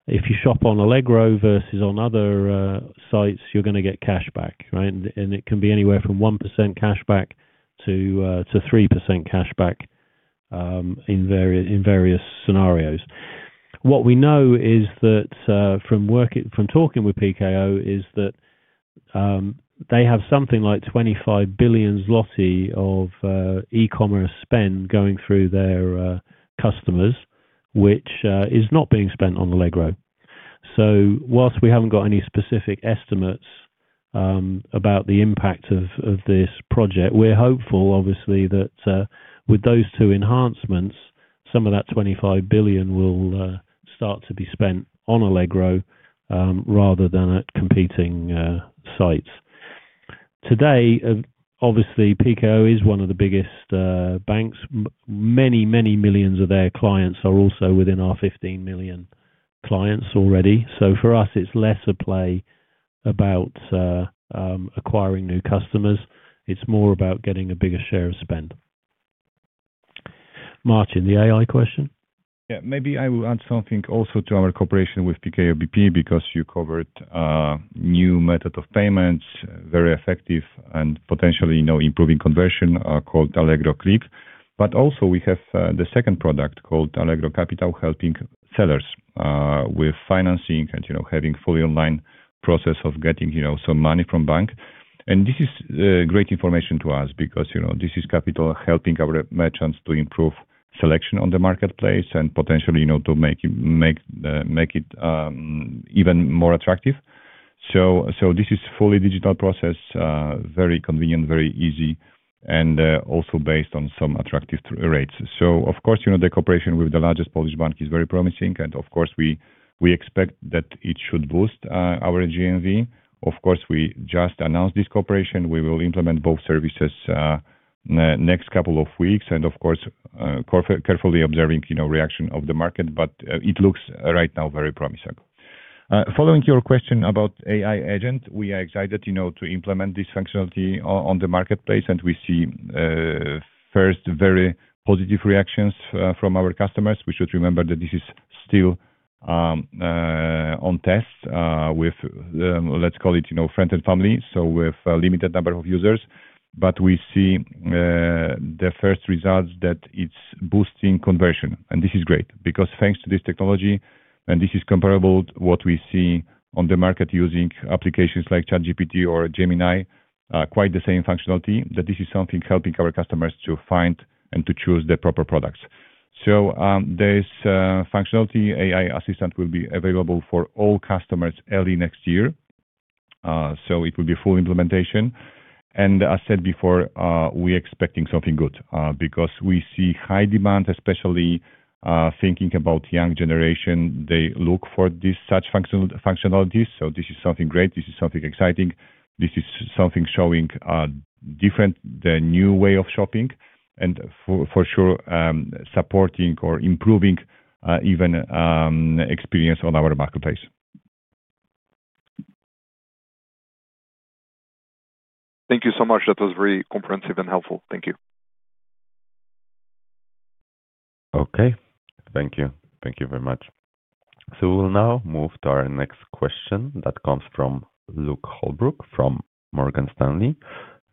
if you shop on Allegro versus on other sites, you're going to get cashback, right? It can be anywhere from 1% cashback to 3% cashback in various scenarios. What we know is that from talking with PKO is that they have something like 25 billion zloty of e-commerce spend going through their customers, which is not being spent on Allegro. Whilst we haven't got any specific estimates about the impact of this project, we're hopeful, obviously, that with those two enhancements, some of that 25 billion will start to be spent on Allegro rather than at competing sites. Today, obviously, PKO is one of the biggest banks. Many, many millions of their clients are also within our 15 million clients already. For us, it's less a play about acquiring new customers. It's more about getting a bigger share of spend. Marcin, the AI question?
Yeah, maybe I will add something also to our cooperation with PKO BP because you covered a new method of payment, very effective and potentially improving conversion called Allegro Klik. We have the second product called Allegro Capital helping sellers with financing and having a fully online process of getting some money from the bank. This is great information to us because this is capital helping our merchants to improve selection on the marketplace and potentially to make it even more attractive. This is a fully digital process, very convenient, very easy, and also based on some attractive rates. Of course, the cooperation with the largest Polish bank is very promising. We expect that it should boost our GMV. We just announced this cooperation. We will implement both services in the next couple of weeks and, of course, carefully observing the reaction of the market. It looks right now very promising. Following your question about the AI agent, we are excited to implement this functionality on the marketplace, and we see first very positive reactions from our customers. We should remember that this is still on test with, let's call it, friends and family, so with a limited number of users. We see the first results that it's boosting conversion. This is great because thanks to this technology, and this is comparable to what we see on the market using applications like ChatGPT or Gemini, quite the same functionality, this is something helping our customers to find and to choose the proper products. This functionality, AI Assistant, will be available for all customers early next year. It will be full implementation. As I said before, we are expecting something good because we see high demand, especially thinking about the young generation. They look for such functionalities. This is something great. This is something exciting. This is something showing different than the new way of shopping and for sure supporting or improving even the experience on our marketplace.
Thank you so much. That was very comprehensive and helpful. Thank you.
Okay. Thank you. Thank you very much. We will now move to our next question that comes from Luke Holbrook from Morgan Stanley.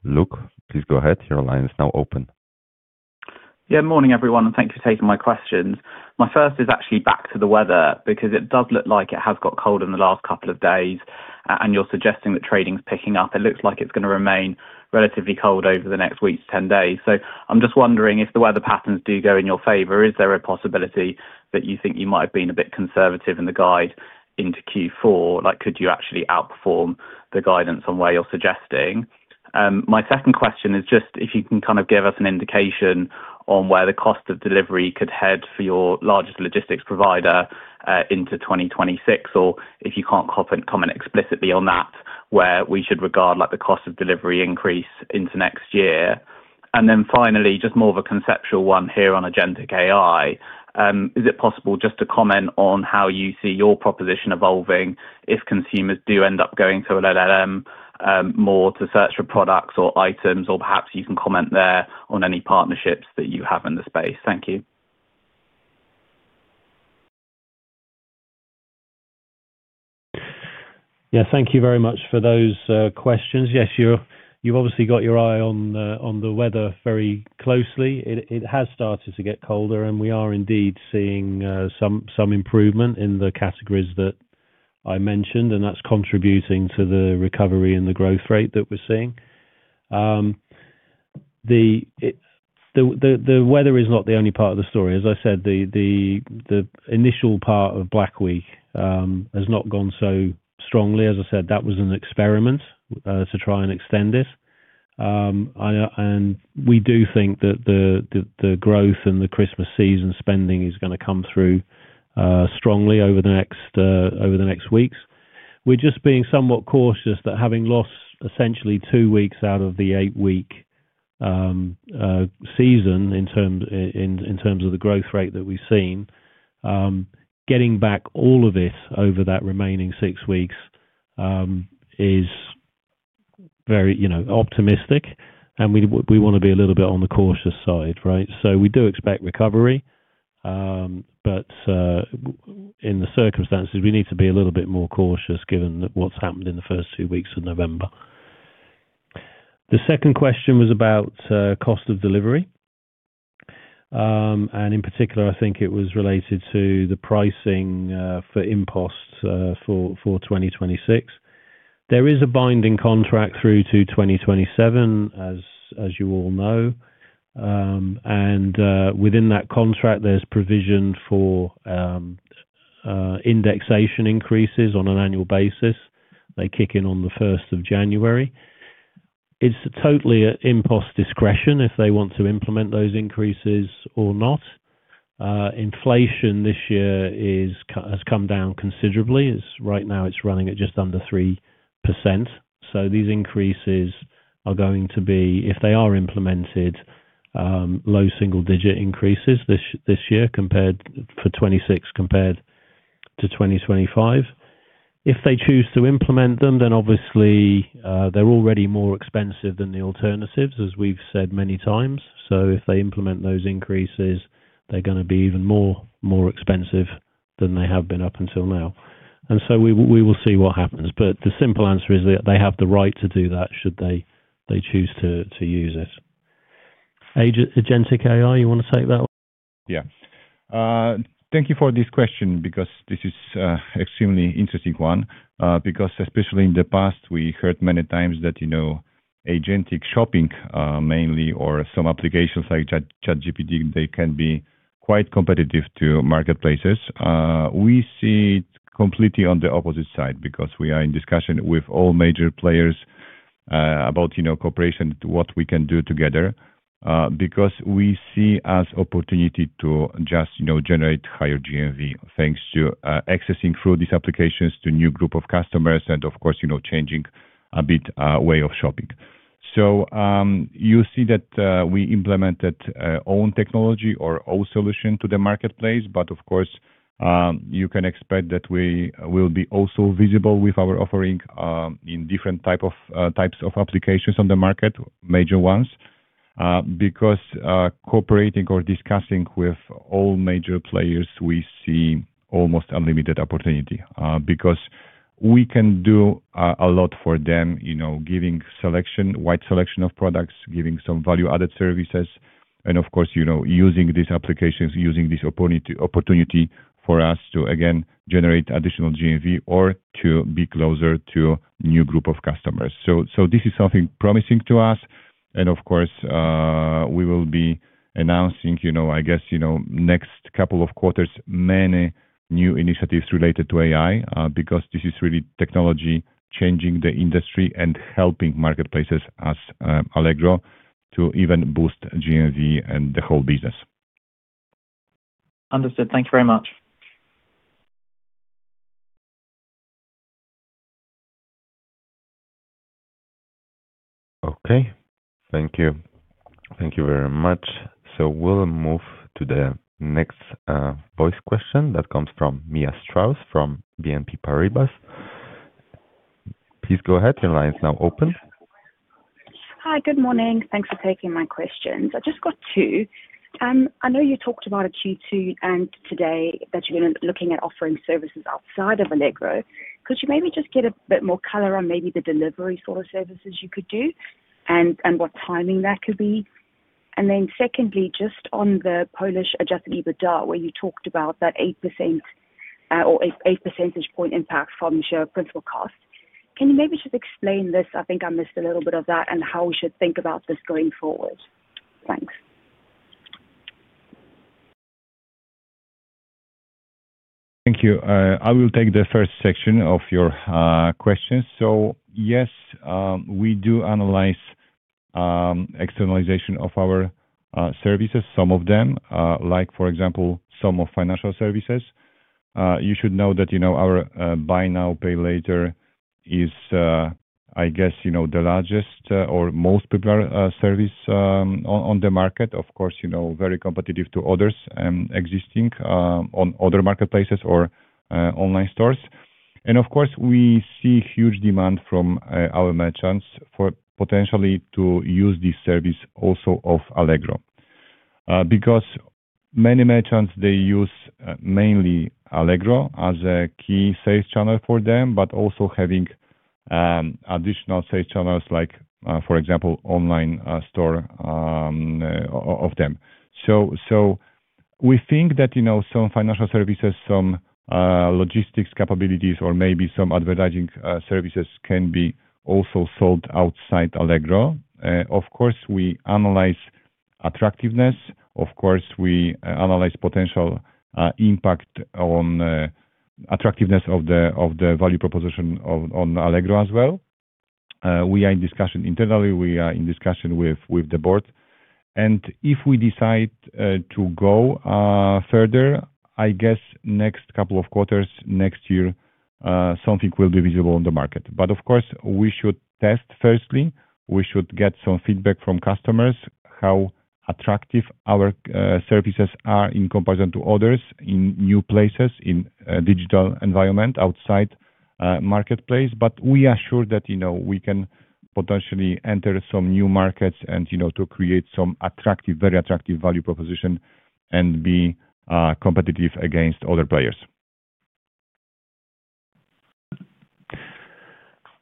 Luke, please go ahead. Your line is now open.
Yeah, good morning, everyone, and thanks for taking my questions. My first is actually back to the weather because it does look like it has got colder in the last couple of days, and you're suggesting that trading's picking up. It looks like it's going to remain relatively cold over the next week to 10 days. I am just wondering if the weather patterns do go in your favor, is there a possibility that you think you might have been a bit conservative in the guide into Q4? Could you actually outperform the guidance on where you're suggesting? My second question is just if you can kind of give us an indication on where the cost of delivery could head for your largest logistics provider into 2026, or if you can't comment explicitly on that, where we should regard the cost of delivery increase into next year. Finally, just more of a conceptual one here on Agentic AI, is it possible just to comment on how you see your proposition evolving if consumers do end up going to LLM more to search for products or items, or perhaps you can comment there on any partnerships that you have in the space? Thank you.
Yeah, thank you very much for those questions. Yes, you've obviously got your eye on the weather very closely. It has started to get colder, and we are indeed seeing some improvement in the categories that I mentioned, and that's contributing to the recovery and the growth rate that we're seeing. The weather is not the only part of the story. As I said, the initial part of Black Week has not gone so strongly. As I said, that was an experiment to try and extend it. We do think that the growth and the Christmas season spending is going to come through strongly over the next weeks. We're just being somewhat cautious that having lost essentially 2 weeks out of the 8-week season in terms of the growth rate that we've seen, getting back all of this over that remaining 6 weeks is very optimistic. We want to be a little bit on the cautious side, right? We do expect recovery, but in the circumstances, we need to be a little bit more cautious given what has happened in the first 2 weeks of November. The second question was about cost of delivery. In particular, I think it was related to the pricing for InPost for 2026. There is a binding contract through to 2027, as you all know. Within that contract, there is provision for indexation increases on an annual basis. They kick in on the 1st of January. It is totally at InPost's discretion if they want to implement those increases or not. Inflation this year has come down considerably. Right now, it is running at just under 3%. These increases are going to be, if they are implemented, low single-digit increases this year for 2026 compared to 2025. If they choose to implement them, then obviously they're already more expensive than the alternatives, as we've said many times. If they implement those increases, they're going to be even more expensive than they have been up until now. We will see what happens. The simple answer is that they have the right to do that should they choose to use it. Agentic AI, you want to take that one?
Yeah. Thank you for this question because this is an extremely interesting one because especially in the past, we heard many times that Agentic shopping mainly or some applications like ChatGPT, they can be quite competitive to marketplaces. We see it completely on the opposite side because we are in discussion with all major players about cooperation, what we can do together because we see as an opportunity to just generate higher GMV thanks to accessing through these applications to a new group of customers and, of course, changing a bit our way of shopping. You see that we implemented our own technology or our solution to the marketplace, but of course, you can expect that we will be also visible with our offering in different types of applications on the market, major ones, because cooperating or discussing with all major players, we see almost unlimited opportunity because we can do a lot for them, giving a wide selection of products, giving some value-added services, and of course, using these applications, using this opportunity for us to, again, generate additional GMV or to be closer to a new group of customers. This is something promising to us. Of course, we will be announcing, I guess, next couple of quarters, many new initiatives related to AI because this is really technology changing the industry and helping marketplaces as Allegro to even boost GMV and the whole business.
Understood. Thank you very much.
Okay. Thank you. Thank you very much. We will move to the next voice question that comes from Mia Strauss from BNP Paribas. Please go ahead. Your line is now open.
Hi, good morning. Thanks for taking my questions. I just got two. I know you talked about a Q2 end today that you're going to be looking at offering services outside of Allegro. Could you maybe just get a bit more color on maybe the delivery sort of services you could do and what timing that could be? Secondly, just on the Polish adjusted EBITDA, where you talked about that 8% or 8 percentage point impact from your principal cost, can you maybe just explain this? I think I missed a little bit of that and how we should think about this going forward. Thanks.
Thank you. I will take the first section of your questions. Yes, we do analyze externalization of our services, some of them, like for example, some of financial services. You should know that our buy now, pay later is, I guess, the largest or most popular service on the market, of course, very competitive to others and existing on other marketplaces or online stores. Of course, we see huge demand from our merchants for potentially to use this service also of Allegro because many merchants, they use mainly Allegro as a key sales channel for them, but also having additional sales channels, like for example, online store of them. We think that some financial services, some logistics capabilities, or maybe some advertising services can be also sold outside Allegro. Of course, we analyze attractiveness. Of course, we analyze potential impact on attractiveness of the value proposition on Allegro as well. We are in discussion internally. We are in discussion with the board. If we decide to go further, I guess next couple of quarters, next year, something will be visible on the market. Of course, we should test firstly. We should get some feedback from customers, how attractive our services are in comparison to others in new places, in a digital environment outside the marketplace. We are sure that we can potentially enter some new markets and to create some attractive, very attractive value proposition and be competitive against other players.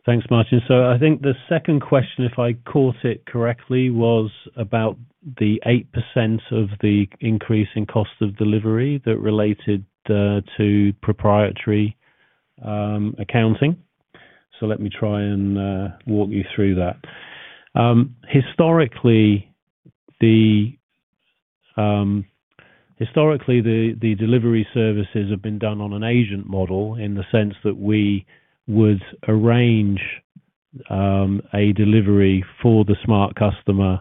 Thanks, Marcin. I think the second question, if I caught it correctly, was about the 8% of the increase in cost of delivery that related to proprietary accounting. Let me try and walk you through that. Historically, the delivery services have been done on an agent model in the sense that we would arrange a delivery for the Smart! customer,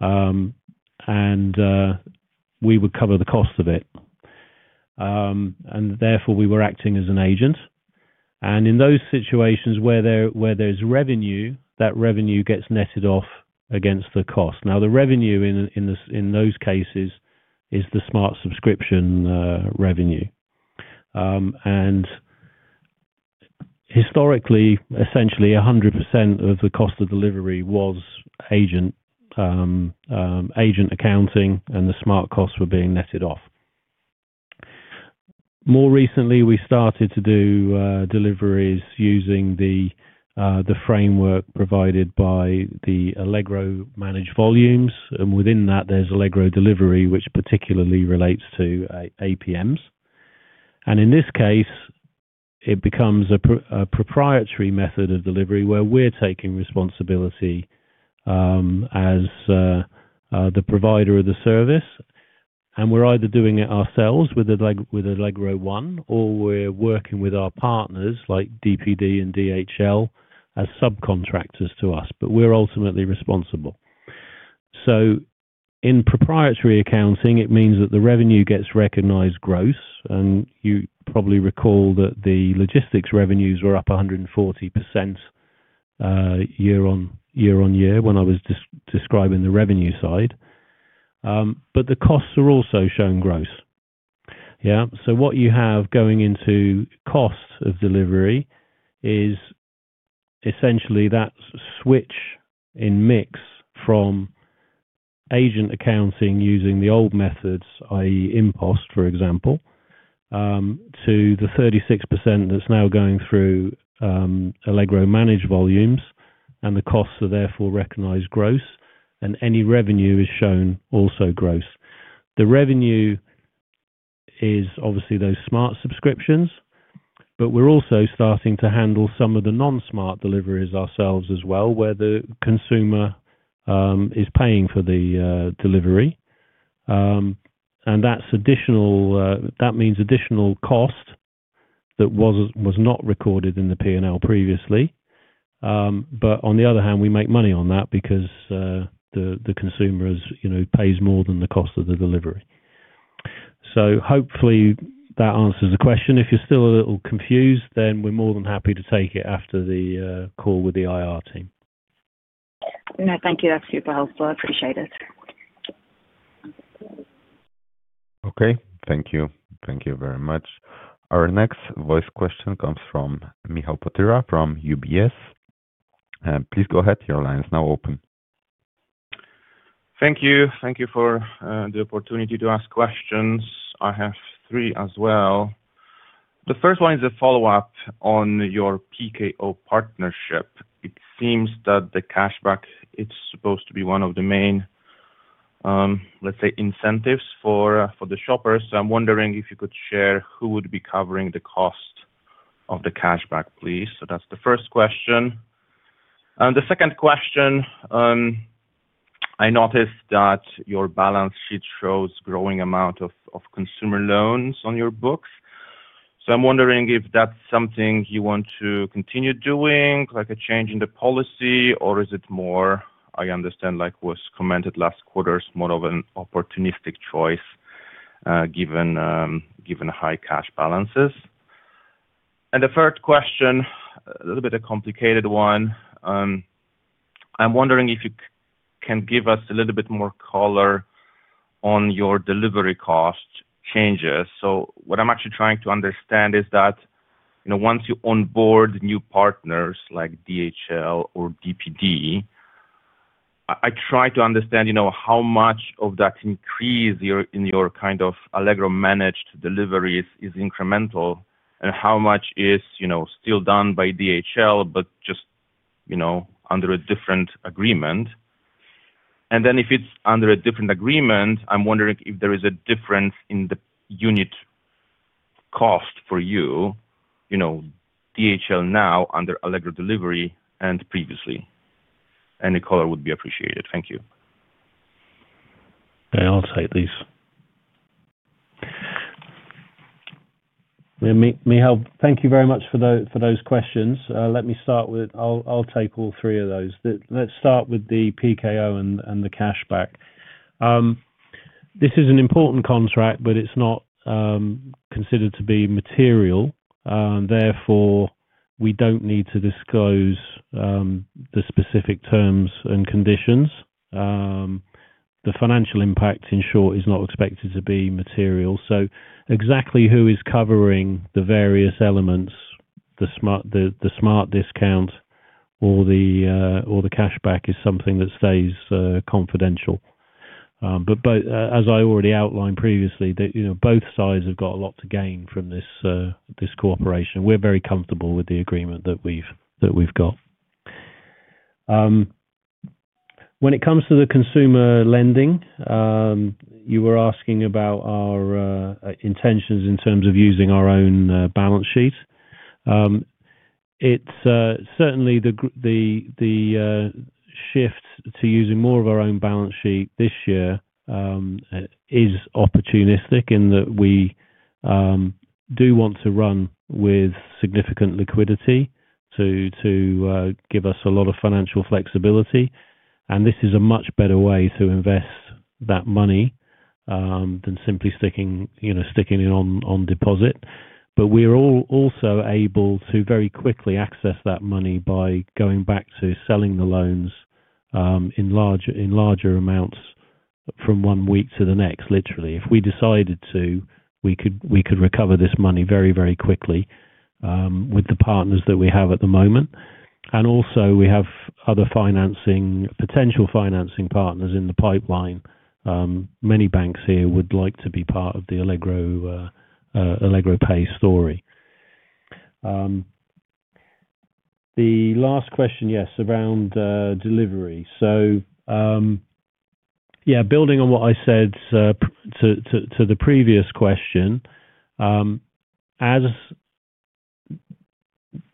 and we would cover the cost of it. Therefore, we were acting as an agent. In those situations where there is revenue, that revenue gets netted off against the cost. The revenue in those cases is the Smart! subscription revenue. Historically, essentially 100% of the cost of delivery was agent accounting, and the Smart! costs were being netted off. More recently, we started to do deliveries using the framework provided by the Allegro-managed volumes. Within that, there is Allegro Delivery, which particularly relates to APMs. In this case, it becomes a proprietary method of delivery where we are taking responsibility as the provider of the service. We are either doing it ourselves with Allegro One, or we are working with our partners like DPD and DHL as subcontractors to us, but we are ultimately responsible. In proprietary accounting, it means that the revenue gets recognized gross. You probably recall that the logistics revenues were up 140% year-on-year when I was describing the revenue side. The costs are also shown gross. What you have going into cost of delivery is essentially that switch in mix from agent accounting using the old methods, i.e., InPost, for example, to the 36% that is now going through Allegro-managed volumes, and the costs are therefore recognized gross, and any revenue is shown also gross. The revenue is obviously those Smart subscriptions, but we are also starting to handle some of the non-Smart! deliveries ourselves as well, where the consumer is paying for the delivery. That means additional cost that was not recorded in the P&L previously. On the other hand, we make money on that because the consumer pays more than the cost of the delivery. Hopefully, that answers the question. If you're still a little confused, we're more than happy to take it after the call with the IR team.
No, thank you. That's super helpful. I appreciate it.
Okay. Thank you. Thank you very much. Our next voice question comes from Michał Potyra from UBS. Please go ahead. Your line is now open.
Thank you. Thank you for the opportunity to ask questions. I have three as well. The first one is a follow-up on your PKO partnership. It seems that the cashback, it's supposed to be one of the main, let's say, incentives for the shoppers. I am wondering if you could share who would be covering the cost of the cashback, please. That is the first question. The second question, I noticed that your balance sheet shows a growing amount of consumer loans on your books. I am wondering if that is something you want to continue doing, like a change in the policy, or is it more, I understand, like was commented last quarter, more of an opportunistic choice given high cash balances? The third question, a little bit of a complicated one. I'm wondering if you can give us a little bit more color on your delivery cost changes. What I'm actually trying to understand is that once you onboard new partners like DHL or DPD, I try to understand how much of that increase in your kind of Allegro-managed deliveries is incremental and how much is still done by DHL, but just under a different agreement. If it's under a different agreement, I'm wondering if there is a difference in the unit cost for you, DHL now under Allegro Delivery and previously. Any color would be appreciated. Thank you.
I'll take these. Michał, thank you very much for those questions. Let me start with I'll take all three of those. Let's start with the PKO and the cashback. This is an important contract, but it's not considered to be material. Therefore, we don't need to disclose the specific terms and conditions. The financial impact, in short, is not expected to be material. Exactly who is covering the various elements, the Smart! discount or the cashback, is something that stays confidential. As I already outlined previously, both sides have got a lot to gain from this cooperation. We're very comfortable with the agreement that we've got. When it comes to the consumer lending, you were asking about our intentions in terms of using our own balance sheet. is certainly the shift to using more of our own balance sheet this year is opportunistic in that we do want to run with significant liquidity to give us a lot of financial flexibility. This is a much better way to invest that money than simply sticking it on deposit. We are also able to very quickly access that money by going back to selling the loans in larger amounts from one week to the next, literally. If we decided to, we could recover this money very, very quickly with the partners that we have at the moment. We also have other potential financing partners in the pipeline. Many banks here would like to be part of the Allegro Pay story. The last question, yes, around delivery. Yeah, building on what I said to the previous question, as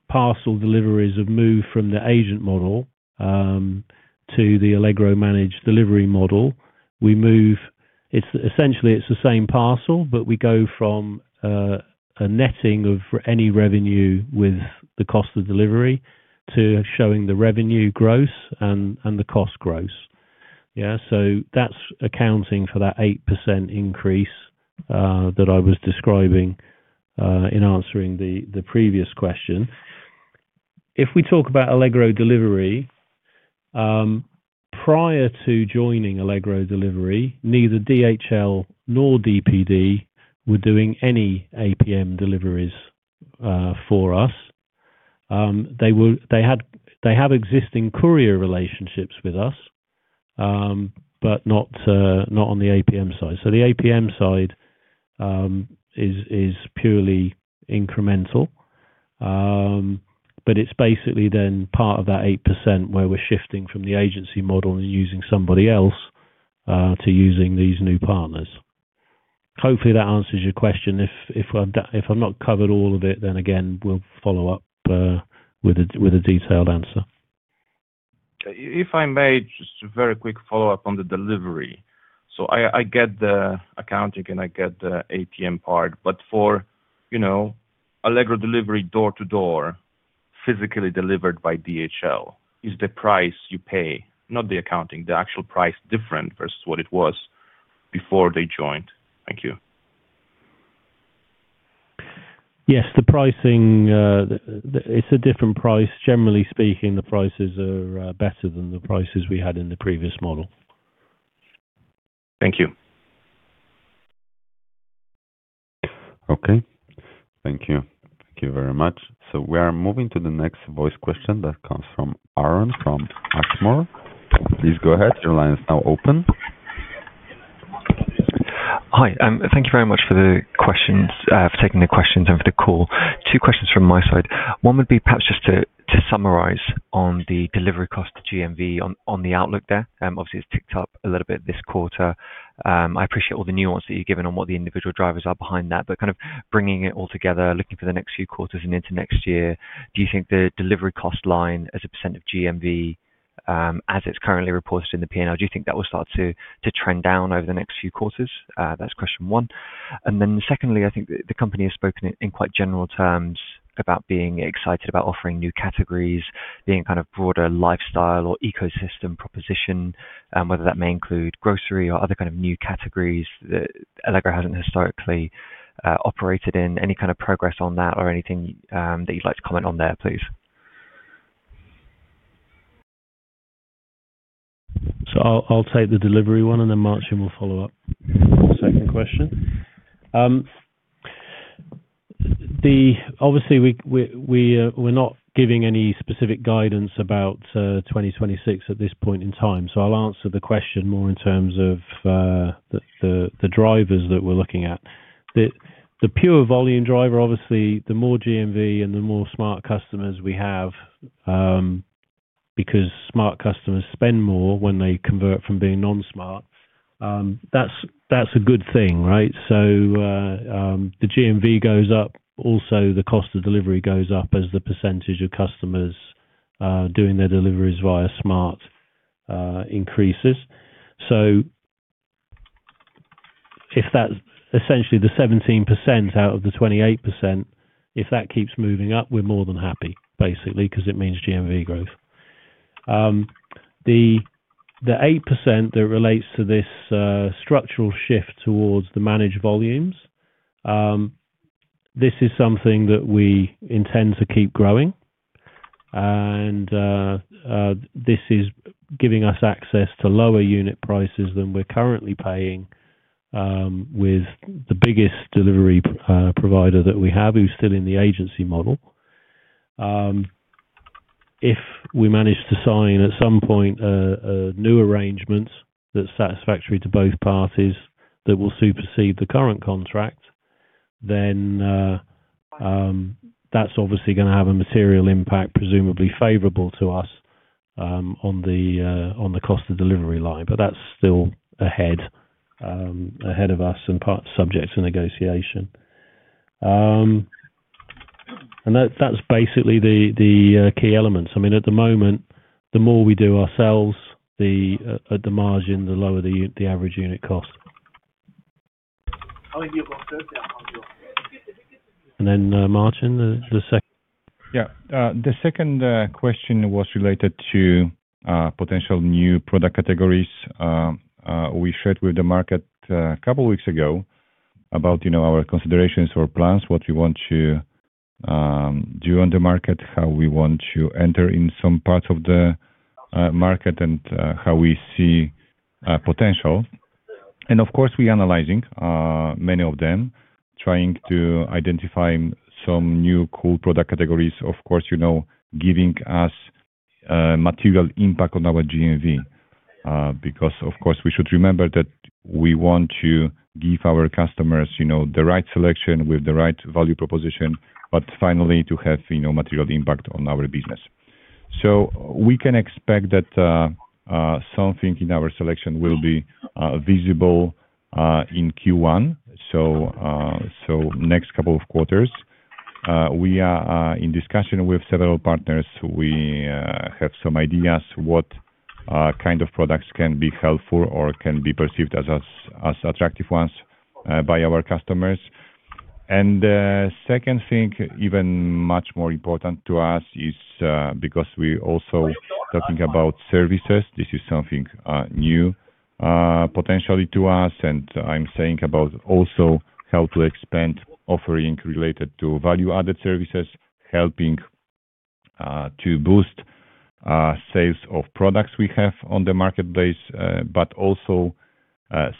parcel deliveries have moved from the agent model to the Allegro-managed delivery model, we move essentially, it's the same parcel, but we go from a netting of any revenue with the cost of delivery to showing the revenue gross and the cost gross. Yeah. That's accounting for that 8% increase that I was describing in answering the previous question. If we talk about Allegro Delivery, prior to joining Allegro Delivery, neither DHL nor DPD were doing any APM deliveries for us. They have existing courier relationships with us, but not on the APM side. The APM side is purely incremental, but it's basically then part of that 8% where we're shifting from the agency model and using somebody else to using these new partners. Hopefully, that answers your question. If I've not covered all of it, then again, we'll follow up with a detailed answer.
If I may, just a very quick follow-up on the delivery. I get the accounting and I get the APM part, but for Allegro Delivery door-to-door, physically delivered by DHL, is the price you pay, not the accounting, the actual price different versus what it was before they joined? Thank you.
Yes, the pricing, it's a different price. Generally speaking, the prices are better than the prices we had in the previous model.
Thank you.
Okay. Thank you. Thank you very much. We are moving to the next voice question that comes from Aaron from Ashmore. Please go ahead. Your line is now open. Hi. Thank you very much for taking the questions and for the call. Two questions from my side. One would be perhaps just to summarize on the delivery cost to GMV on the outlook there. Obviously, it's ticked up a little bit this quarter. I appreciate all the nuance that you've given on what the individual drivers are behind that, but kind of bringing it all together, looking for the next few quarters and into next year, do you think the delivery cost line as a percent of GMV, as it's currently reported in the P&L, do you think that will start to trend down over the next few quarters? That's question one. I think the company has spoken in quite general terms about being excited about offering new categories, being a kind of broader lifestyle or ecosystem proposition, whether that may include grocery or other kind of new categories that Allegro has not historically operated in. Any kind of progress on that or anything that you would like to comment on there, please?
I'll take the delivery one, and then Marcin will follow up on the second question. Obviously, we're not giving any specific guidance about 2026 at this point in time. I'll answer the question more in terms of the drivers that we're looking at. The pure volume driver, obviously, the more GMV and the more Smart! customers we have, because Smart! customers spend more when they convert from being non-Smart!, that's a good thing, right? The GMV goes up, also the cost of delivery goes up as the percentage of customers doing their deliveries via Smart! increases. Essentially, the 17% out of the 28%, if that keeps moving up, we're more than happy, basically, because it means GMV growth. The 8% that relates to this structural shift towards the managed volumes, this is something that we intend to keep growing. This is giving us access to lower unit prices than we're currently paying with the biggest delivery provider that we have, who's still in the agency model. If we manage to sign at some point a new arrangement that's satisfactory to both parties that will supersede the current contract, that's obviously going to have a material impact, presumably favorable to us on the cost of delivery line. That is still ahead of us and subject to negotiation. That's basically the key elements. I mean, at the moment, the more we do ourselves, at the margin, the lower the average unit cost. Marcin, the second.
Yeah. The second question was related to potential new product categories. We shared with the market a couple of weeks ago about our considerations or plans, what we want to do on the market, how we want to enter in some parts of the market, and how we see potential. Of course, we're analyzing many of them, trying to identify some new cool product categories, of course, giving us material impact on our GMV. Because, of course, we should remember that we want to give our customers the right selection with the right value proposition, but finally, to have material impact on our business. We can expect that something in our selection will be visible in Q1, so next couple of quarters. We are in discussion with several partners. We have some ideas what kind of products can be helpful or can be perceived as attractive ones by our customers. The second thing, even much more important to us, is because we're also talking about services. This is something new potentially to us. I'm saying about also how to expand offering related to value-added services, helping to boost sales of products we have on the marketplace, but also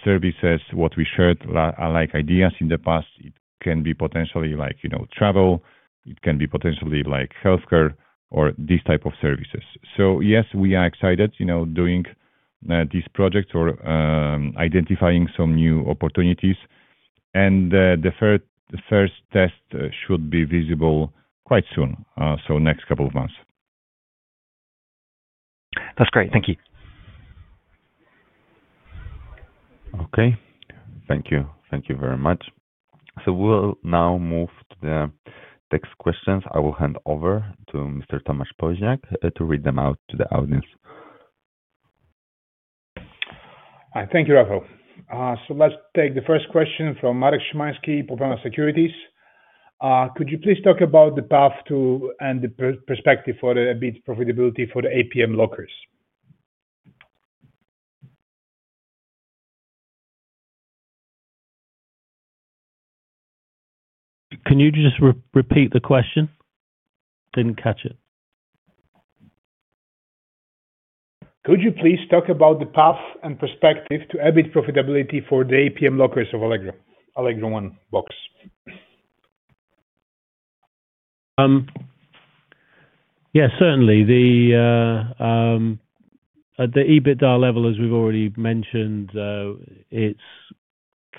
services, what we shared, like ideas in the past. It can be potentially like travel. It can be potentially like healthcare or these types of services. Yes, we are excited doing these projects or identifying some new opportunities. The first test should be visible quite soon, next couple of months. That's great. Thank you.
Okay. Thank you. Thank you very much. We will now move to the next questions. I will hand over to Mr. Tomasz Poźniak to read them out to the audience.
Thank you, Rafał. Let's take the first question from Marek Szymański, IPOPEMA Securities. Could you please talk about the path and the perspective for a bit of profitability for the APM lockers?
Can you just repeat the question? Did not catch it.
Could you please talk about the path and perspective to a bit of profitability for the APM lockers of Allegro One Box?
Yeah, certainly. At the EBITDA level, as we've already mentioned, it's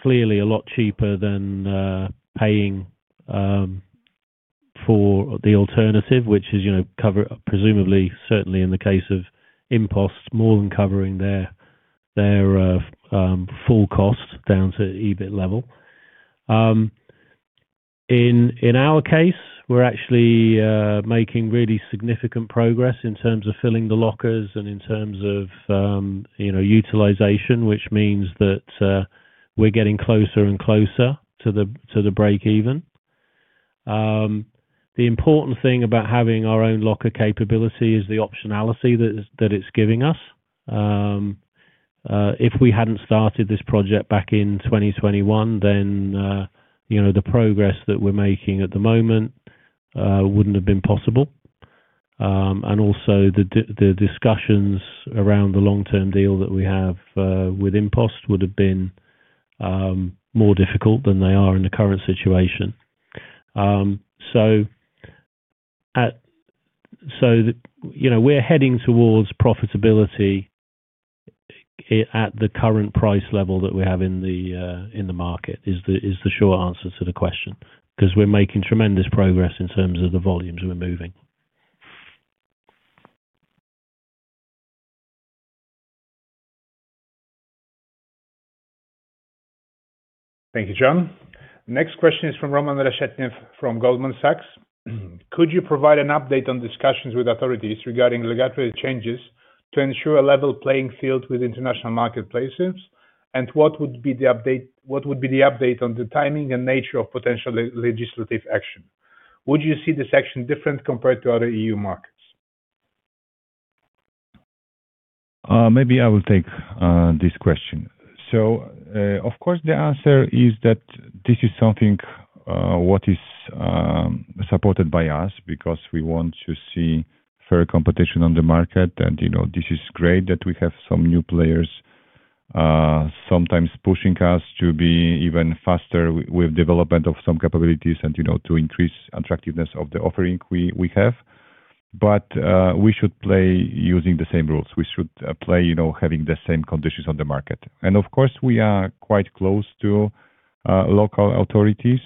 clearly a lot cheaper than paying for the alternative, which is presumably, certainly in the case of InPost, more than covering their full cost down to EBIT level. In our case, we're actually making really significant progress in terms of filling the lockers and in terms of utilization, which means that we're getting closer and closer to the break-even. The important thing about having our own locker capability is the optionality that it's giving us. If we hadn't started this project back in 2021, then the progress that we're making at the moment wouldn't have been possible. Also, the discussions around the long-term deal that we have with InPost would have been more difficult than they are in the current situation. We're heading towards profitability at the current price level that we have in the market is the short answer to the question because we're making tremendous progress in terms of the volumes we're moving.
Thank you, Jon. Next question is from Roman Reshetnev from Goldman Sachs. Could you provide an update on discussions with authorities regarding regulatory changes to ensure a level playing field with international marketplaces? What would be the update on the timing and nature of potential legislative action? Would you see this action different compared to other EU markets?
Maybe I will take this question. Of course, the answer is that this is something that is supported by us because we want to see fair competition on the market. This is great that we have some new players sometimes pushing us to be even faster with development of some capabilities and to increase the attractiveness of the offering we have. We should play using the same rules. We should play having the same conditions on the market. Of course, we are quite close to local authorities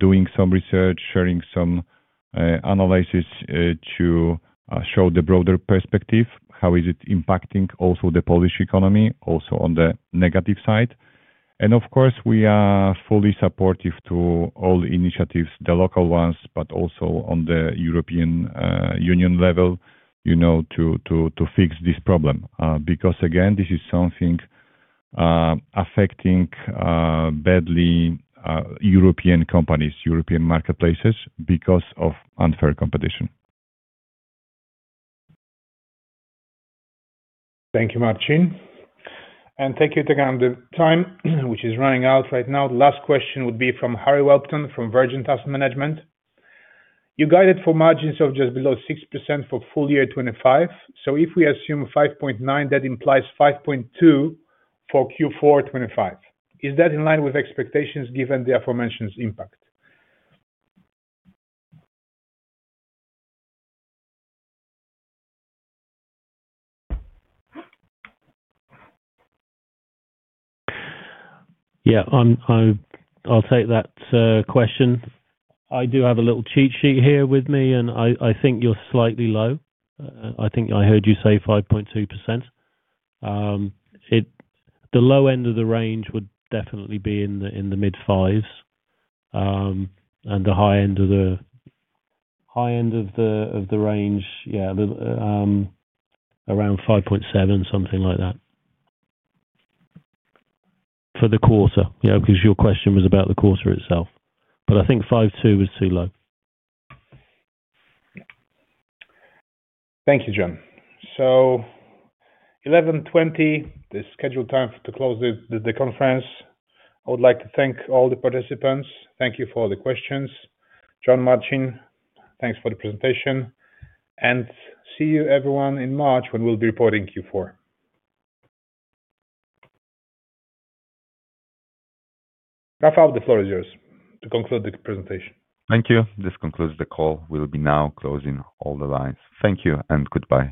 doing some research, sharing some analysis to show the broader perspective, how it is impacting also the Polish economy, also on the negative side. Of course, we are fully supportive to all initiatives, the local ones, but also on the European Union level to fix this problem because, again, this is something affecting badly European companies, European marketplaces because of unfair competition.
Thank you, Marcin. Thank you again for the time, which is running out right now. The last question would be from Harry Welton from Virgin Task Management. You guided for margins of just below 6% for full year 2025. If we assume 5.9%, that implies 5.2% for Q4 2025. Is that in line with expectations given the aforementioned impact?
Yeah, I'll take that question. I do have a little cheat sheet here with me, and I think you're slightly low. I think I heard you say 5.2%. The low end of the range would definitely be in the mid-5s and the high end of the high end of the range, yeah, around 5.7%, something like that for the quarter, yeah, because your question was about the quarter itself. I think 5.2% was too low.
Thank you, Jon. It is 11:20, the scheduled time to close the conference. I would like to thank all the participants. Thank you for all the questions. Jon, Marcin, thanks for the presentation. See you, everyone, in March when we will be reporting Q4. Rafał, the floor is yours to conclude the presentation.
Thank you. This concludes the call. We'll be now closing all the lines. Thank you and goodbye.